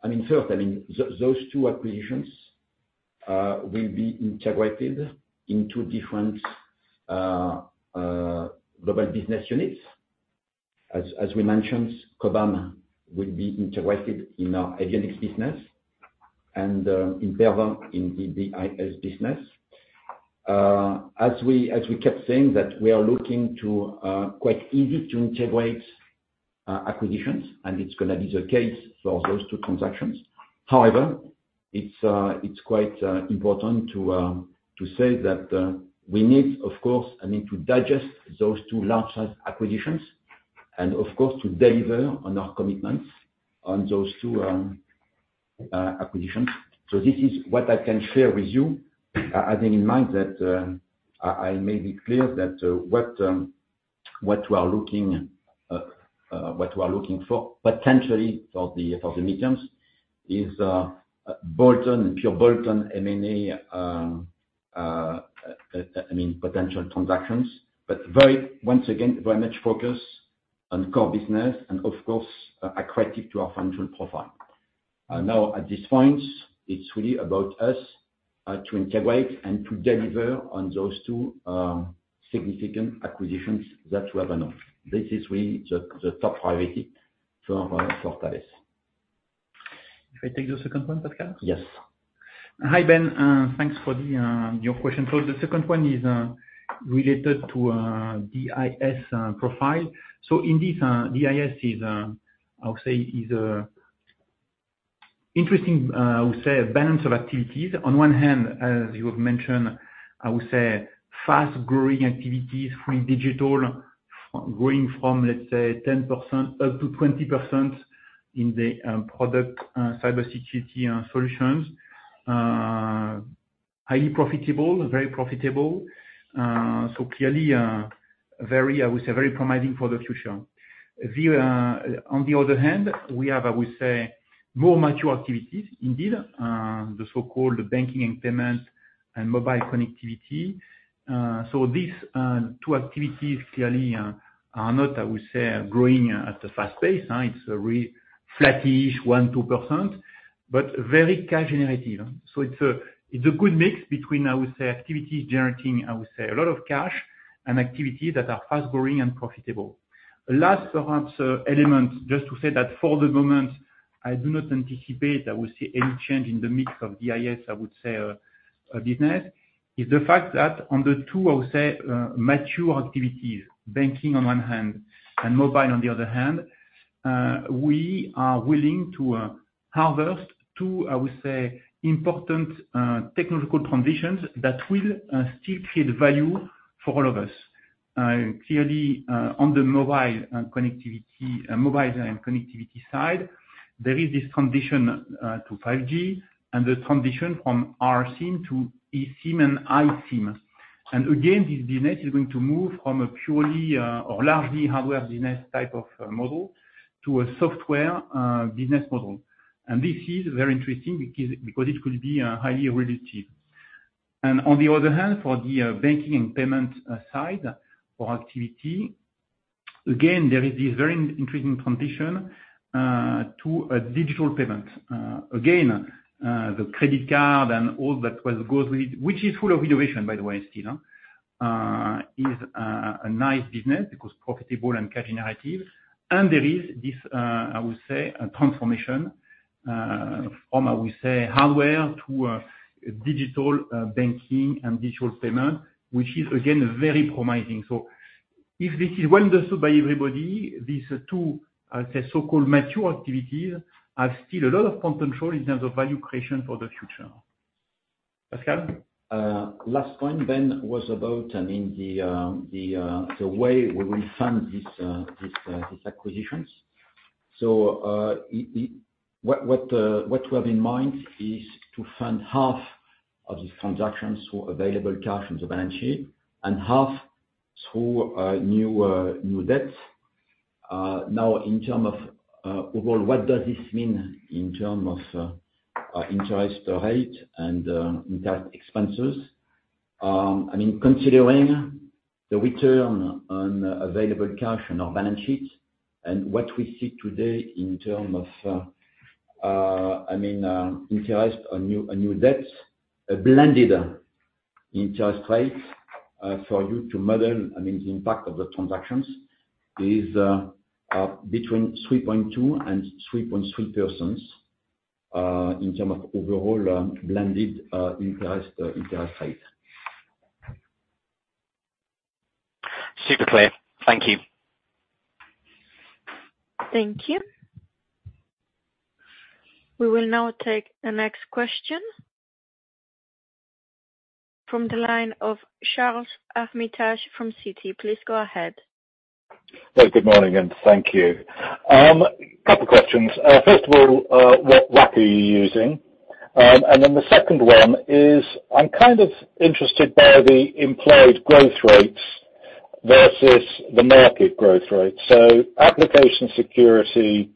mean, first, I mean, those two acquisitions will be integrated into different global business units. As we mentioned, Cobham will be integrated in our avionics business and Imperva in the DIS business. As we kept saying, that we are looking to quite easy to integrate acquisitions, and it's gonna be the case for those two transactions. However, it's quite important to say that we need, of course, I mean, to digest those two large size acquisitions, and of course, to deliver on our commitments on those two acquisitions. This is what I can share with you, having in mind that I may be clear that what we are looking for, potentially for the mediums is bolt-on, pure bolt-on M&A, I mean, potential transactions. Very, once again, very much focus on core business and of course, attractive to our financial profile. At this point, it's really about us to integrate and to deliver on those two significant acquisitions that we have announced. This is really the top priority for Thales. Can I take the second one, Pascal? Yes. Hi, Ben, thanks for the your question. The second one is related to DIS profile. Indeed, DIS is, I would say, is a interesting, I would say, balance of activities. On one hand, as you have mentioned, I would say fast growing activities from digital, growing from, let's say, 10% up to 20% in the product, cybersecurity solutions. Highly profitable, very profitable, clearly very, I would say, very promising for the future. On the other hand, we have, I would say, more mature activities indeed, the so-called banking and payment and mobile connectivity. These two activities clearly are not, I would say, are growing at a fast pace, it's a flattish 1%-2%, but very cash generative. It's a good mix between, I would say, activities generating, I would say, a lot of cash and activities that are fast growing and profitable. Last, perhaps, element, just to say that for the moment, I do not anticipate I will see any change in the mix of DIS, I would say, business, is the fact that on the two, I would say, mature activities, banking on one hand and mobile on the other hand, we are willing to, harvest two, I would say, important, technological conditions that will, still create value for all of us. Clearly, on the mobile, connectivity, mobile and connectivity side, there is this transition, to 5G and the transition from R SIM to eSIM and iSIM. Again, this business is going to move from a purely or largely hardware business type of model to a software business model. This is very interesting, because it will be highly relative. On the other hand, for the banking and payment side for activity, again, there is this very interesting transition to a digital payment. Again, the credit card and all that goes with it, which is full of innovation, by the way, still is a nice business because profitable and cash generative. There is this, I would say, a transformation from, I would say, hardware to digital banking and digital payment, which is again very promising. If this is well understood by everybody, these two, say, so-called mature activities, have still a lot of potential in terms of value creation for the future. Pascal? Last point, Ben, was about, I mean, the way we will fund this, these acquisitions. What we have in mind is to fund half of these transactions for available cash from the balance sheet and half through new debts. Now in term of overall, what does this mean in term of interest rate and interest expenses? I mean, considering the return on available cash on our balance sheet and what we see today in terms of, I mean, interest on new debts, a blended interest rate for you to model, I mean, the impact of the transactions is between 3.2% and 3.3%, in terms of overall, blended interest rate. Super clear. Thank you. Thank you. We will now take the next question from the line of Charles Armitage from Citi. Please go ahead. Good morning, and thank you. Couple questions. First of all, what WACC are you using? The second one is, I'm kind of interested by the implied growth rates versus the market growth rate. Application security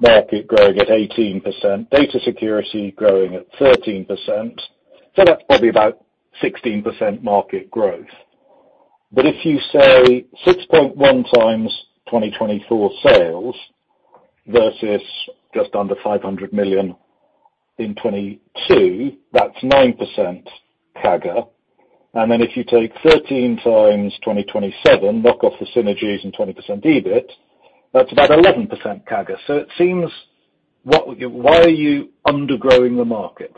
market growing at 18%, data security growing at 13%, so that's probably about 16% market growth. If you say 6.1 times 2024 sales versus just under $500 million in 2022, that's 9% CAGR. If you take 13 times 2027, knock off the synergies and 20% EBIT, that's about 11% CAGR. It seems what, why are you undergrowing the market?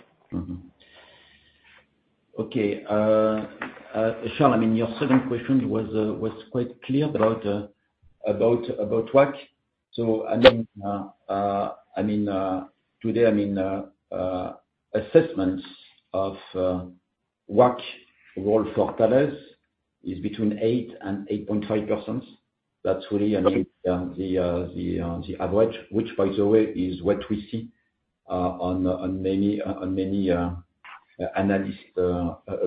Okay. I mean, your second question was quite clear about about WACC. So, I mean, today, assessments of WACC role for Thales is between 8% and 8.5%. That's really the average, which, by the way, is what we see on on many on many analyst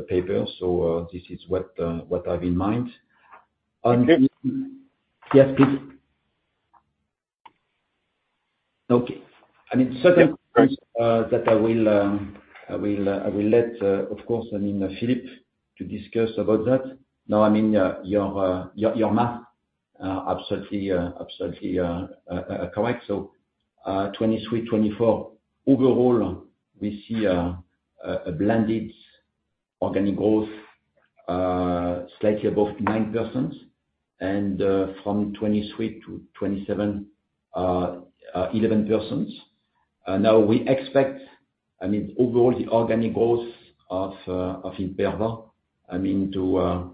paper. So this is what I have in mind. On the- Okay. Yes, please. Okay. I mean, second, that I will let, of course, I mean, Philippe, to discuss about that. No, I mean, your math, absolutely correct. 2023, 2024, overall, we see a blended organic growth, slightly above 9%, and from 2023 to 2027, 11%. We expect, I mean, overall, the organic growth of Imperva, I mean, to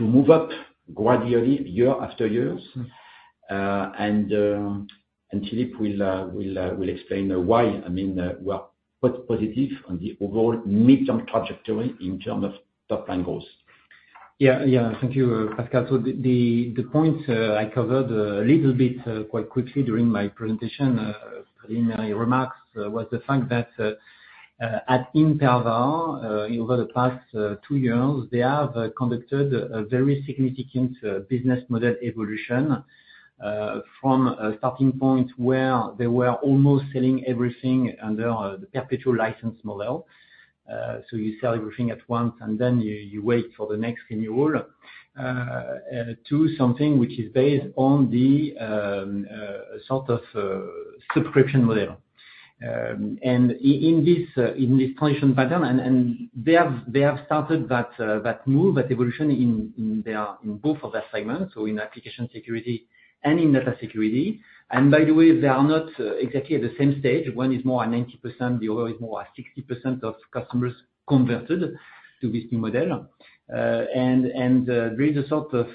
move up gradually year after years. Philippe will explain why, I mean, we are quite positive on the overall midterm trajectory in terms of top-line goals. Yeah, yeah. Thank you, Pascal. The point I covered a little bit quite quickly during my presentation in my remarks, was the fact that at Imperva over the past two years, they have conducted a very significant business model evolution from a starting point where they were almost selling everything under the perpetual license model. You sell everything at once, and then you wait for the next renewal to something which is based on the sort of subscription model. In this transition pattern, they have started that move, that evolution in both of their segments, so in application security and in data security. By the way, they are not exactly at the same stage. One is more at 90%, the other is more at 60% of customers converted to this new model. There is a sort of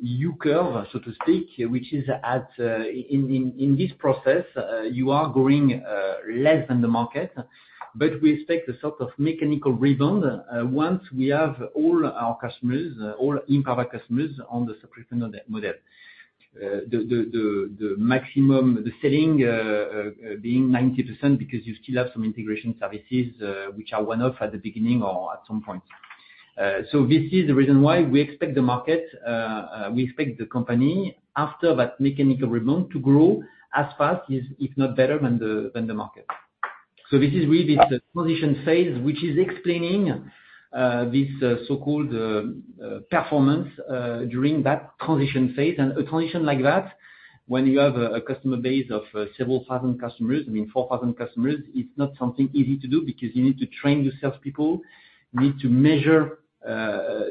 U-curve, so to speak, which is in this process, you are growing less than the market, but we expect a sort of mechanical rebound once we have all our customers, all Imperva customers on the subscription model. The maximum, the selling, being 90%, because you still have some integration services which are one-off at the beginning or at some point. This is the reason why we expect the market, we expect the company, after that mechanical rebound, to grow as fast, if not better than the market. This is really the transition phase, which is explaining this so-called performance during that transition phase. A transition like that, when you have a customer base of several thousand customers, I mean, 4,000 customers, it's not something easy to do because you need to train your salespeople. You need to measure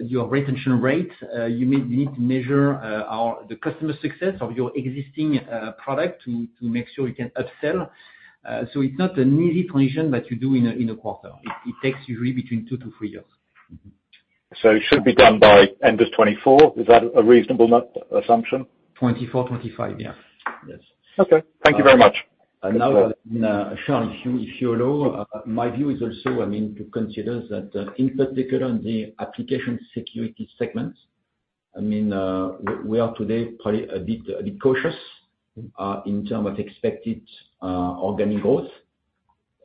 your retention rate. You need to measure the customer success of your existing product to make sure you can upsell. It's not an easy transition that you do in a quarter. It takes you really between 2-3 years. It should be done by end of 2024. Is that a reasonable assumption? 24, 25, yeah. Yes. Okay. Thank you very much. Now, Charles, if you, if you allow, my view is also, I mean, to consider that, in particular on the application security segment, I mean, we are today probably a bit cautious, in term of expected organic growth.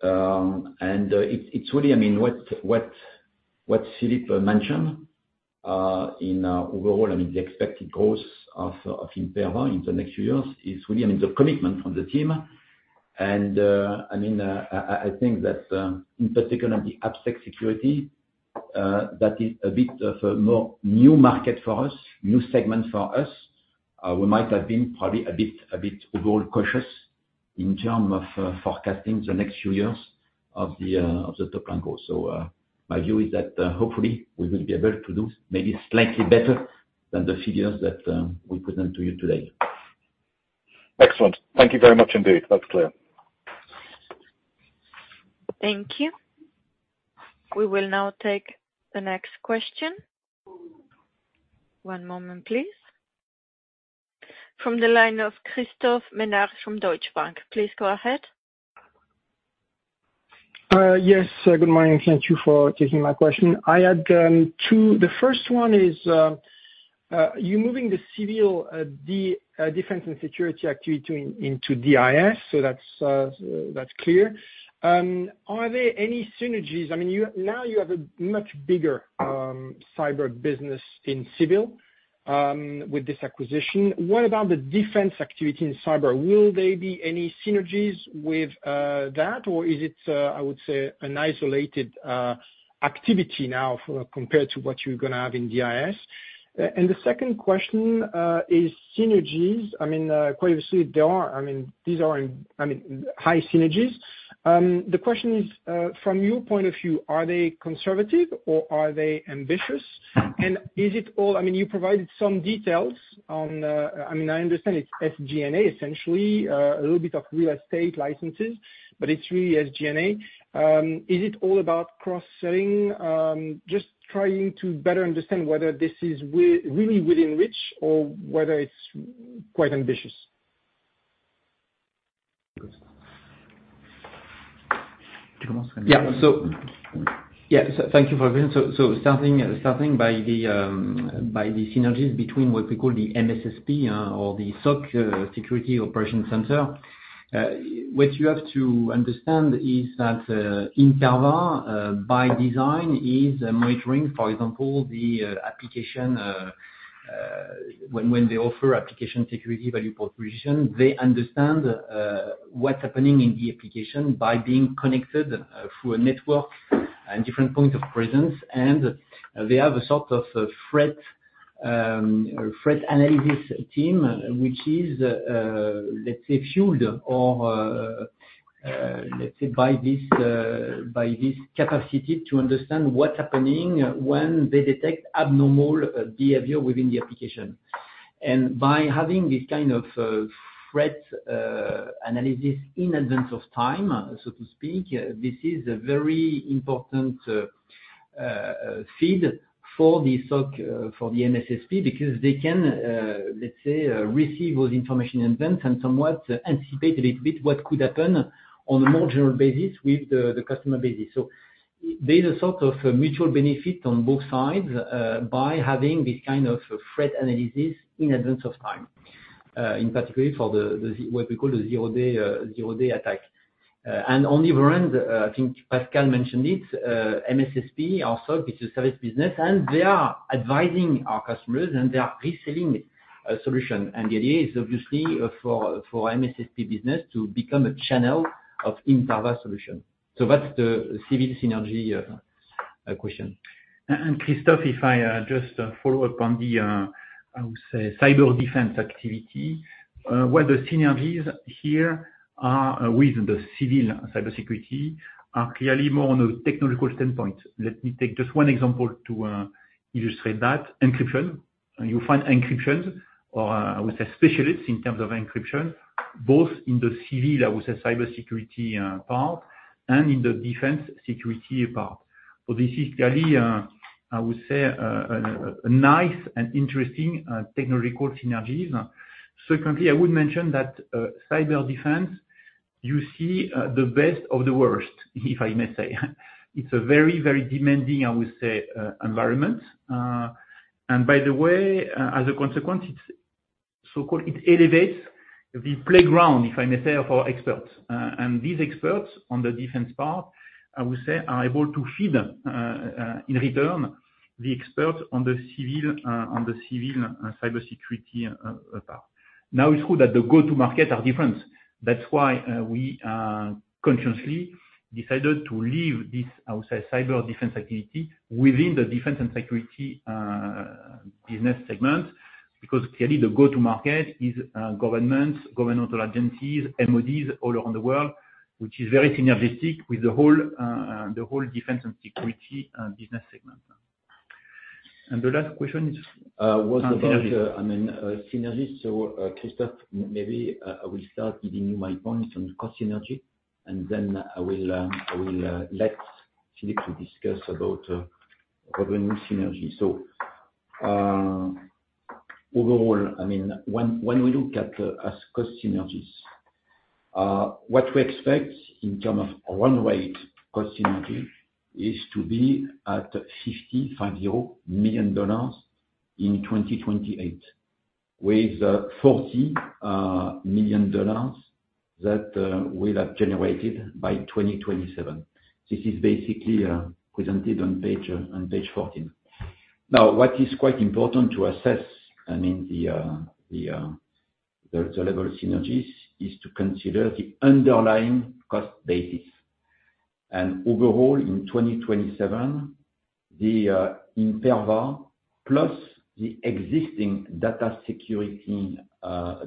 It's really, I mean, what Philippe mentioned, in overall, I mean, the expected growth of Imperva in the next few years is really, I mean, the commitment from the team. I mean, I think that, in particular, the AppSec security, that is a bit of a more new market for us, new segment for us. We might have been probably a bit overall cautious in term of forecasting the next few years of the top line growth. My view is that, hopefully, we will be able to do maybe slightly better than the figures that we present to you today. Excellent. Thank you very much, indeed. That's clear. Thank you. We will now take the next question. One moment, please. From the line of Christophe Menard from Deutsche Bank, please go ahead. Yes, good morning. Thank you for taking my question. I had two. The first one is, you moving the civil defense and security activity into DIS, so that's clear. Are there any synergies? I mean, now you have a much bigger cyber business in civil with this acquisition. What about the defense activity in cyber? Will there be any synergies with that, or is it, I would say, an isolated activity now for compared to what you're gonna have in DIS? The second question is synergies. I mean, quite obviously, there are, I mean, these are, I mean, high synergies. The question is, from your point of view, are they conservative or are they ambitious? And is it, I mean, you provided some details on... I mean, I understand it's SG&A, essentially, a little bit of real estate licenses, but it's really SG&A. Is it all about cross-selling? Just trying to better understand whether this is really within reach or whether it's quite ambitious. Thank you for that. Starting by the synergies between what we call the MSSP, or the SOC, Security Operations Center, what you have to understand is that Imperva, by design, is monitoring, for example, the application, when they offer application security value proposition, they understand what's happening in the application by being connected through a network and different point of presence. They have a sort of a threat analysis team, which is, let's say, fueled, or, let's say, by this capacity to understand what's happening when they detect abnormal behavior within the application. By having this kind of threat analysis in advance of time, so to speak, this is a very important feed for the SOC, for the MSSP, because they can, let's say, receive those information events and somewhat anticipate a little bit what could happen on a more general basis with the customer basis. There's a sort of mutual benefit on both sides, by having this kind of threat analysis in advance of time, in particular for the, what we call the zero-day attack. On the front, I think Pascal mentioned it, MSSP also, which is service business, and they are advising our customers, and they are reselling a solution. The idea is obviously for MSSP business to become a channel of Imperva solution. That's the civil synergy question. Christophe, if I just follow up on the I would say, cyber defense activity, where the synergies here are with the civil cybersecurity are clearly more on a technological standpoint. Let me take just one example to illustrate that. Encryption, you find encryption, or I would say, specialists in terms of encryption, both in the civil, I would say, cybersecurity part, and in the defense security part. This is clearly, I would say, a nice and interesting technological synergies. Secondly, I would mention that cyber defense, you see the best of the worst, if I may say. It's a very, very demanding, I would say, environment. By the way, as a consequence, it's so-called it elevates the playground, if I may say, for experts. These experts on the defense part, I would say, are able to feed in return the experts on the civil cybersecurity part. It's true that the go-to market are different. That's why we consciously decided to leave this, I would say, cyber defense activity within the defense and security business segment, because clearly, the go-to market is governments, governmental agencies, MODs all around the world, which is very synergistic with the whole defense and security business segment. The last question is was about synergy. Christophe, maybe I will start giving you my points on cost synergy, then I will let Philippe to discuss about revenue synergy. Overall, when we look at as cost synergies, what we expect in term of one-way cost synergy is to be at $50 million in 2028 with $40 million that we have generated by 2027. This is basically presented on page 14. What is quite important to assess the level of synergies is to consider the underlying cost basis. Overall, in 2027, the Imperva plus the existing data security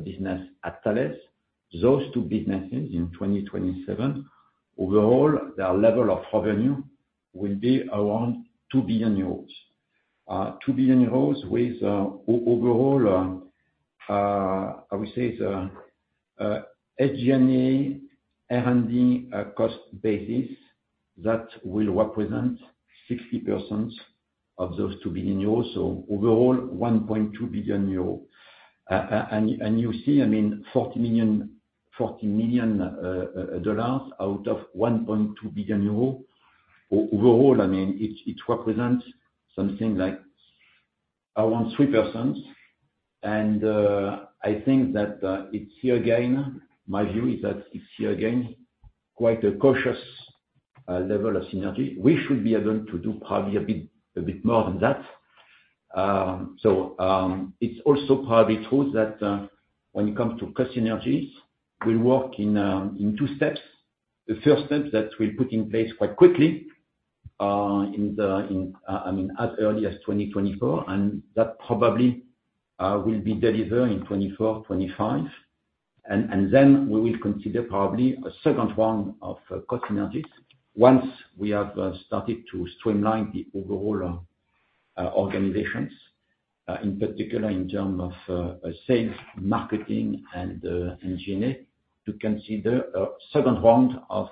business at Thales, those two businesses in 2027, overall, their level of revenue will be around 2 billion euros. 2 billion euros with overall, I would say, the SG&A R&D cost basis, that will represent 60% of those 2 billion euros, so overall, 1.2 billion euros. And you see, I mean, $40 million, out of 1.2 billion euros, overall, I mean, it represents something like around 3%. I think that it's, here again, my view is that it's, here again, quite a cautious level of synergy. We should be able to do probably a bit more than that. It's also probably true that when it comes to cost synergies, we work in two steps. The first step that we put in place quite quickly in the, in, as early as 2024, and that probably will be delivered in 2024, 2025. Then we will consider probably a second one of cost synergies once we have started to streamline the overall organizations, in particular, in term of sales, marketing, and GNA, to consider a second round of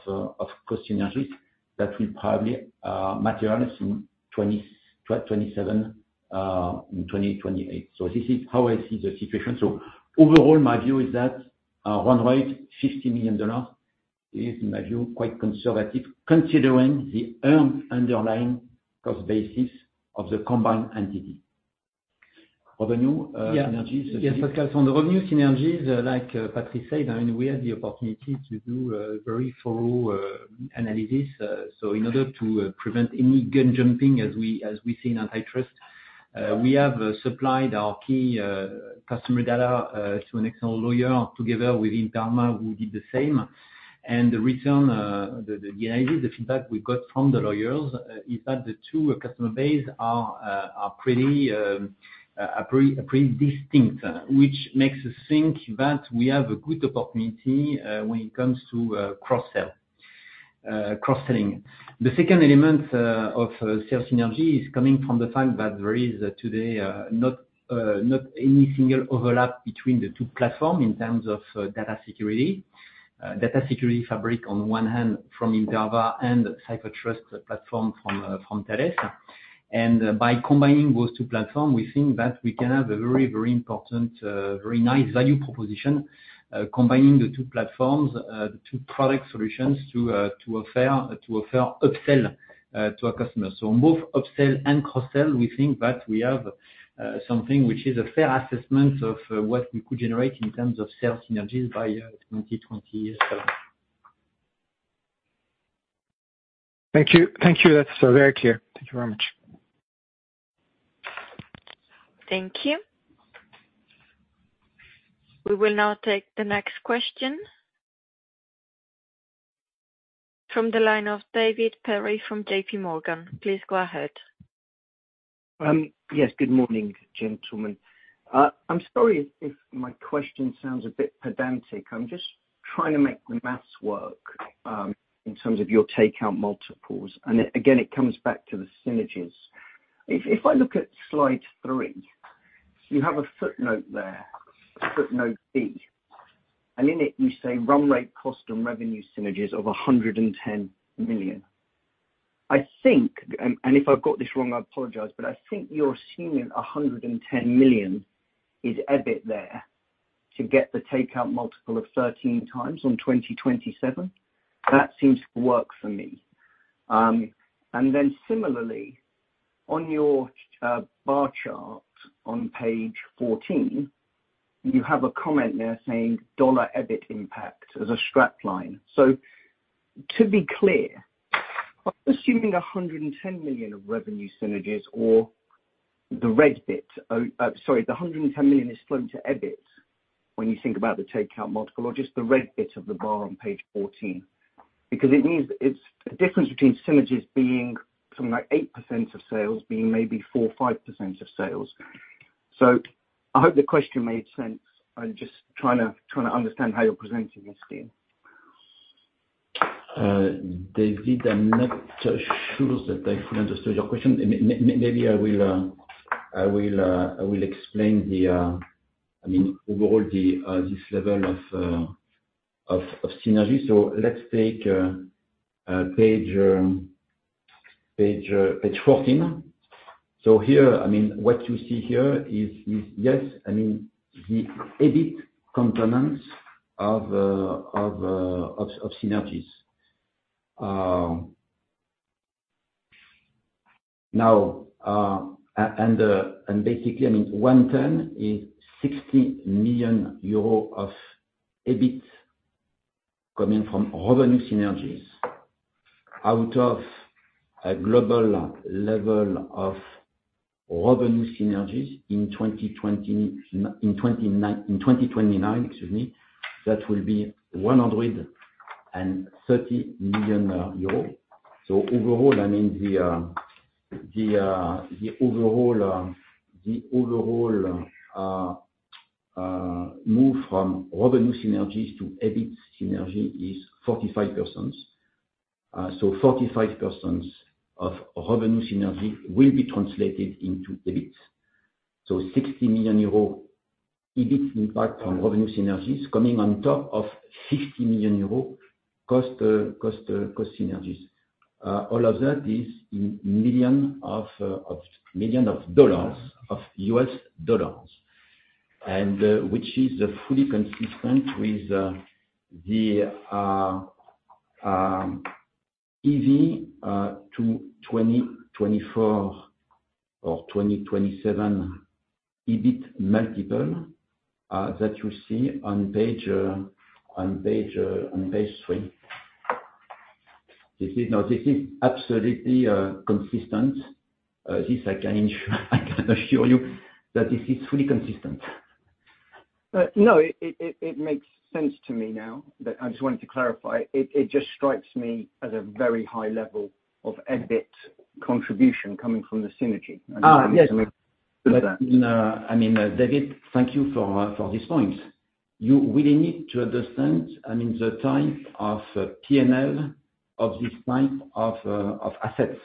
cost synergies that will probably materialize in 2027, in 2028. This is how I see the situation. Overall, my view is that run rate, $50 million is, in my view, quite conservative considering the earned underlying cost basis of the combined entity. Revenue, synergies? Yeah. Yes, on the revenue synergies, like, Patrice said, I mean, we had the opportunity to do a very thorough analysis. In order to prevent any gun jumping as we, as we see in antitrust, we have supplied our key customer data to an external lawyer, together with Imperva, who did the same. The return, the analysis, the feedback we got from the lawyers, is that the two customer base are pretty distinct. Makes us think that we have a good opportunity when it comes to cross-sell, cross-selling. The second element of sales synergy is coming from the fact that there is today not any single overlap between the two platform in terms of data security. Data Security Fabric, on one hand, from Imperva, and CipherTrust platform from Thales. By combining those two platform, we think that we can have a very important, very nice value proposition, combining the two platforms, the two product solutions to offer upsell to our customers. Both upsell and cross-sell, we think that we have something which is a fair assessment of what we could generate in terms of sales synergies by 2027. Thank you. That's very clear. Thank you very much. Thank you. We will now take the next question. From the line of David Perry from JP Morgan, please go ahead. Yes, good morning, gentlemen. I'm sorry if my question sounds a bit pedantic. I'm just trying to make the math work, in terms of your takeout multiples, and it, again, it comes back to the synergies. If I look at slide 3, you have a footnote there, footnote B, and in it you say, "Run rate cost and revenue synergies of 110 million." I think, and if I've got this wrong, I apologize, but I think you're assuming 110 million is EBIT there, to get the takeout multiple of 13x on 2027. That seems to work for me. Similarly, on your bar chart on page 14, you have a comment there saying, "Dollar EBIT impact," as a strap line. To be clear, I'm assuming 110 million of revenue synergies or the red bit, sorry, the 110 million is flowing to EBIT, when you think about the takeout multiple, or just the red bit of the bar on page 14. It means it's a difference between synergies being something like 8% of sales, being maybe 4%-5% of sales. I hope the question made sense. I'm just trying to understand how you're presenting this scheme. David, I'm not sure that I fully understood your question. Maybe I will explain the, I mean, overall, this level of synergy. Let's take page 14. Here, I mean, what you see here is, yes, I mean, the EBIT components of synergies. Now, and basically, I mean, one turn is 60 million euro of EBIT coming from revenue synergies. Out of a global level of revenue synergies in 2029, excuse me, that will be 130 million euros. Overall, I mean, the overall move from revenue synergies to EBIT synergy is 45%. 45% of revenue synergy will be translated into EBIT. 60 million euro EBIT impact from revenue synergies coming on top of 50 million euro cost synergies. All of that is in million of U.S., dollars, which is fully consistent with the EV to 2024 or 2027 EBIT multiple that you see on page 3. This is now, this is absolutely consistent. This I can assure you that this is fully consistent. no, it makes sense to me now, but I just wanted to clarify. It just strikes me as a very high level of EBIT contribution coming from the synergy. yes. But, uh- David, thank you for these points. You really need to understand the type of PNL of this type of assets.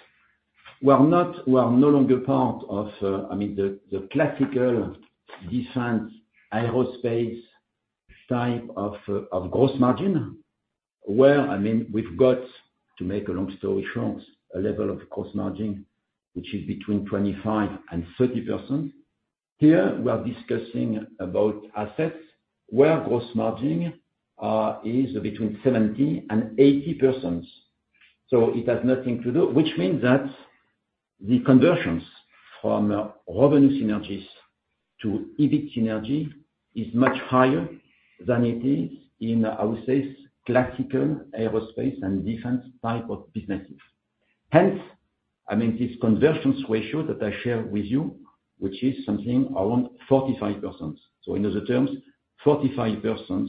We are not, we are no longer part of the classical defense aerospace type of gross margin, where we've got, to make a long story short, a level of gross margin, which is between 25%-30%. Here, we are discussing about assets, where gross margin is between 70%-80%. It has nothing to do, which means that the conversions from revenue synergies to EBIT synergy is much higher than it is in, I would say, classical aerospace and defense type of businesses. Hence, this conversions ratio that I share with you, which is something around 45%. In other terms, 45%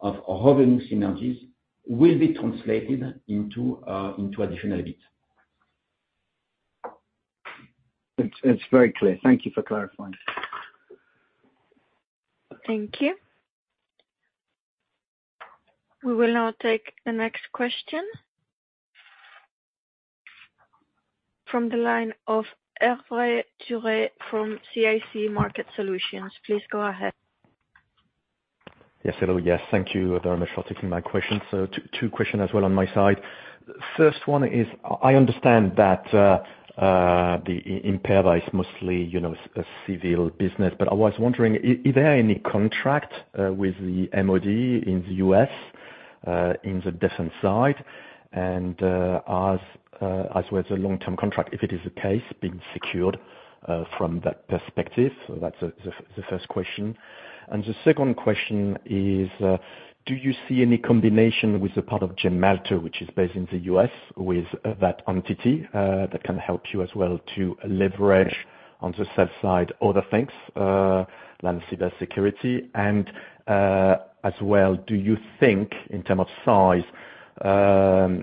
of our revenue synergies will be translated into additional EBIT. It's very clear. Thank you for clarifying. Thank you. We will now take the next question. From the line of Hervé Drouet from CIC Market Solutions, please go ahead. Yes, hello. Yes, thank you very much for taking my question. Two question as well on my side. First one is, I understand that the Imperva is mostly, you know, a civil business, but I was wondering, is there any contract with the MOD in the U.S., in the different side? As well as a long-term contract, if it is the case, being secured from that perspective. That's the first question. The second question is, do you see any combination with the part of Gemalto, which is based in the U.S., with that entity that can help you as well to leverage on the sell side, other things, like cybersecurity? as well, do you think, in term of size,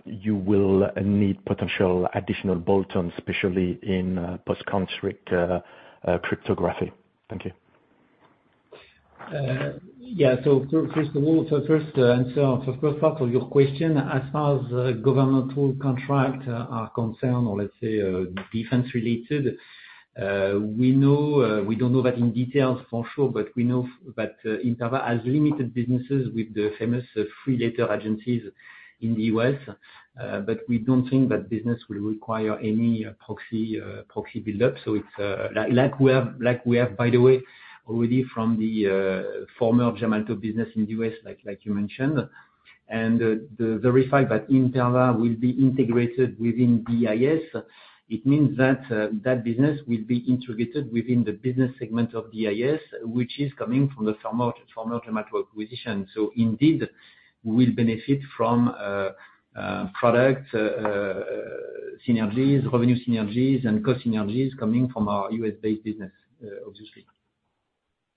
you will need potential additional bolt-on, especially in post-conflict, cryptography? Thank you. Yeah. First of all, first answer, first part of your question, as far as governmental contract are concerned or let's say, defense related, we know, we don't know that in detail for sure, but we know that Imperva has limited businesses with the famous three letter agencies in the U.S. We don't think that business will require any proxy build-up. It's like we have, by the way, already from the former Gemalto business in the U.S., like you mentioned. The fact that Imperva will be integrated within DIS, it means that business will be integrated within the business segment of DIS, which is coming from the former Gemalto acquisition. Indeed, we'll benefit from product synergies, revenue synergies, and cost synergies coming from our U.S.-based business, obviously.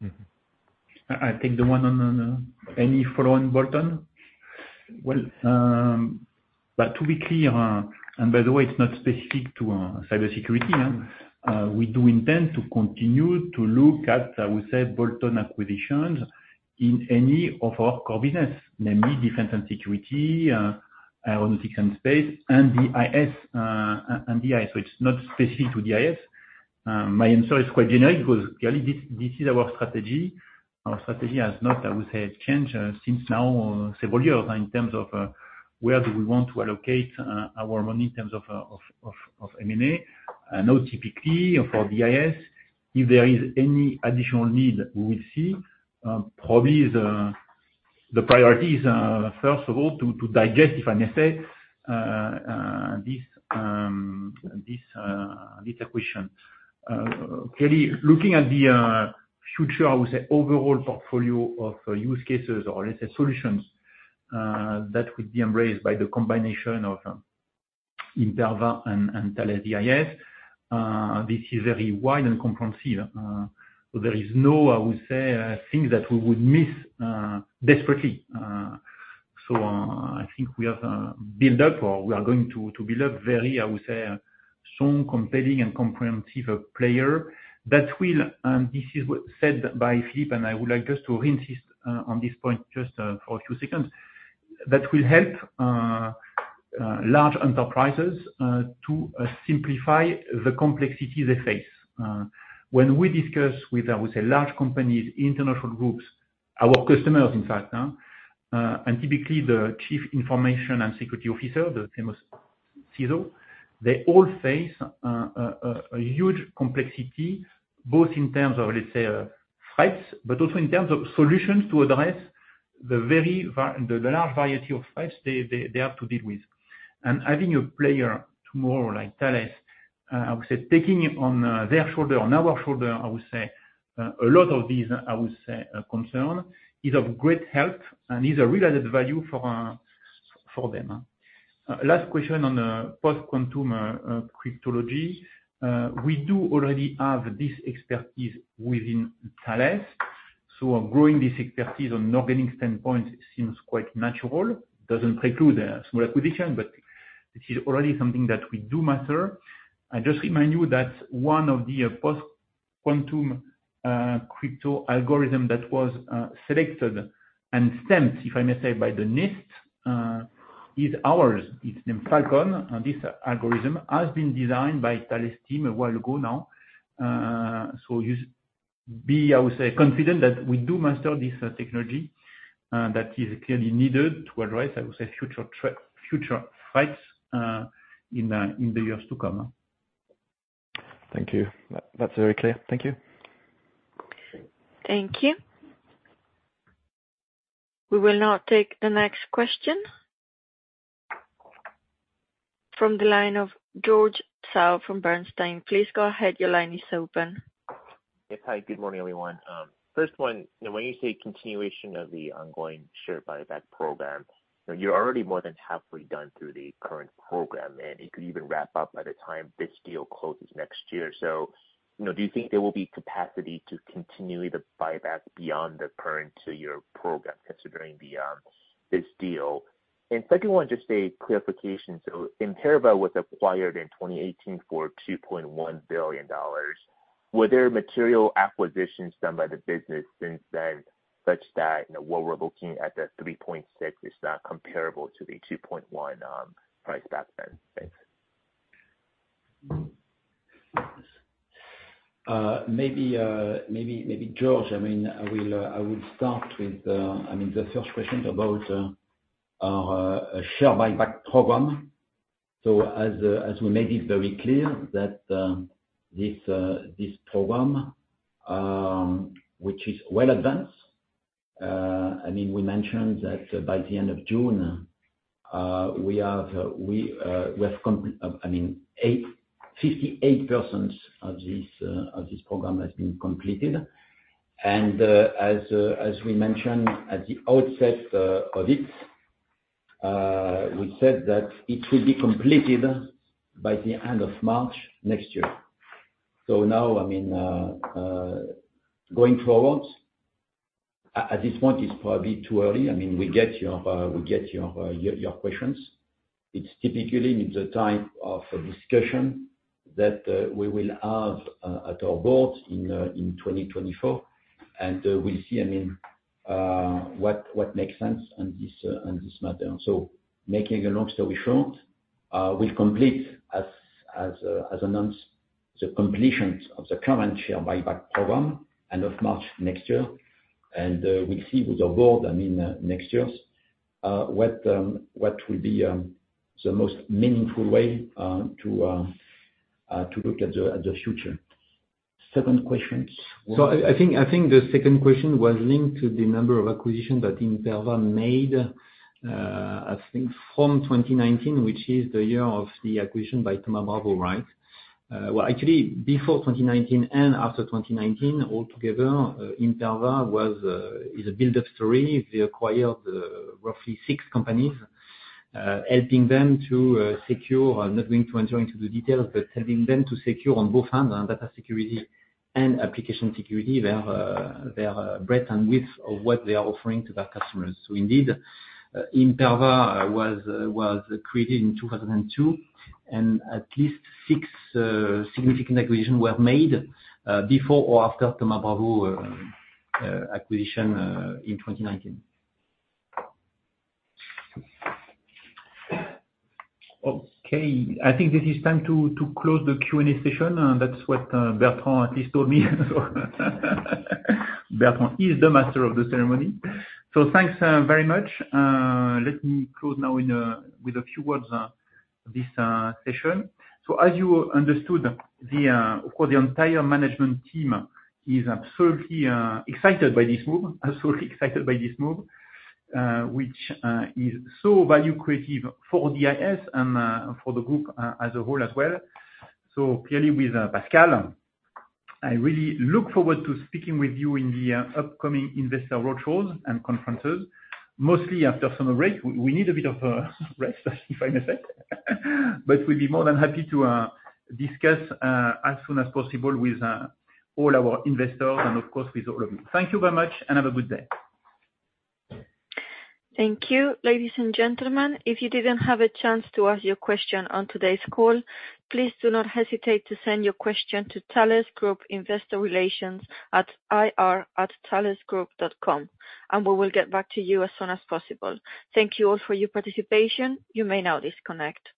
Mm-hmm. I take the one on any follow on bolt-on. Well, to be clear, and by the way, it's not specific to cybersecurity, we do intend to continue to look at, I would say, bolt-on acquisitions in any of our core business, namely Defense and Security, Aeronautics and Space, and the DIS, and the DIS, so it's not specific to the DIS. My answer is quite generic, because clearly this is our strategy. Our strategy has not, I would say, has changed since now, several years in terms of where do we want to allocate our money in terms of M&A. Now, typically, for the DIS, if there is any additional need, we will see, probably.... The priority is, first of all, to digest, if I may say, this acquisition. Clearly, looking at the future, I would say, overall portfolio of use cases or let's say, solutions that would be embraced by the combination of Imperva and Thales DIS. This is very wide and comprehensive. There is no, I would say, thing that we would miss desperately. So, I think we have built up or we are going to build up very, I would say, a strong, compelling and comprehensive player that will, this is what said by Philippe, and I would like just to insist on this point for a few seconds, that will help large enterprises to simplify the complexity they face. When we discuss with, I would say, large companies, international groups, our customers, in fact, and typically the chief information security officer, the famous CISO, they all face a huge complexity, both in terms of, let's say, fights, but also in terms of solutions to address the very large variety of fights they have to deal with. Having a player tomorrow, like Thales, I would say, taking it on their shoulder, on our shoulder, I would say, a lot of these, I would say, concern is of great help and is a real added value for them. Last question on the post-quantum cryptology. We do already have this expertise within Thales, so growing this expertise on an organic standpoint seems quite natural. Doesn't preclude small acquisition, but this is already something that we do matter. I just remind you that one of the post-quantum crypto algorithm that was selected and stamped, if I may say, by the NIST, is ours. It's named Falcon, and this algorithm has been designed by Thales team a while ago now. You be, I would say, confident that we do master this technology, that is clearly needed to address, I would say, future fights in the years to come. Thank you. That's very clear. Thank you. Thank you. We will now take the next question. From the line of George Zhao from Bernstein, please go ahead. Your line is open. Yes. Hi, good morning, everyone. first one, when you say continuation of the ongoing share buyback program, you're already more than halfway done through the current program, and it could even wrap up by the time this deal closes next year. you know, do you think there will be capacity to continue the buyback beyond the current to your program, considering the this deal? second one, just a clarification. Imperva was acquired in 2018 for $2.1 billion. Were there material acquisitions done by the business since then, such that, you know, what we're looking at, the $3.6 billion, is not comparable to the $2.1 billion price back then? Thanks. Maybe George, I mean, I will start with, I mean, the first question about our share buyback program. As we made it very clear that this program, which is well advanced, I mean, we mentioned that by the end of June, we have, I mean, 58% of this program has been completed. As we mentioned at the outset of it, we said that it will be completed by the end of March next year. Now, I mean, going forward, at this point, it's probably too early. I mean, we get your questions. It's typically the type of discussion that we will have at our board in 2024. We'll see, I mean, what makes sense on this, on this matter. Making a long story short, we'll complete, as announced, the completions of the current share buyback program end of March next year. We'll see with the board, I mean, next year's, what will be the most meaningful way to look at the future. Second questions? I think the second question was linked to the number of acquisitions that Imperva made, I think from 2019, which is the year of the acquisition by Thoma Bravo, right? Well, actually, before 2019 and after 2019, altogether, Imperva was, is a build-up story. They acquired, roughly 6 companies, helping them to secure, I'm not going to enter into the details, but helping them to secure on both ends, on data security and application security, their breadth and width of what they are offering to their customers. Indeed, Imperva was created in 2002, and at least 6 significant acquisition were made before or after Thoma Bravo acquisition in 2019. I think this is time to close the Q&A session, and that's what Bertrand at least told me. Bertrand, he is the master of the ceremony. Thanks very much. Let me close now with a few words this session. As you understood, the of course, the entire management team is absolutely excited by this move, absolutely excited by this move, which is so value creative for DIS and for the group as a whole as well. Clearly, with Pascal, I really look forward to speaking with you in the upcoming investor road shows and conferences, mostly after summer break. We need a bit of rest, if I may say. We'd be more than happy to discuss as soon as possible with all our investors and of course with all of you. Thank you very much, and have a good day. Thank you. Ladies and gentlemen, if you didn't have a chance to ask your question on today's call, please do not hesitate to send your question to Thales Group Investor Relations at ir@thalesgroup.com, and we will get back to you as soon as possible. Thank you all for your participation. You may now disconnect.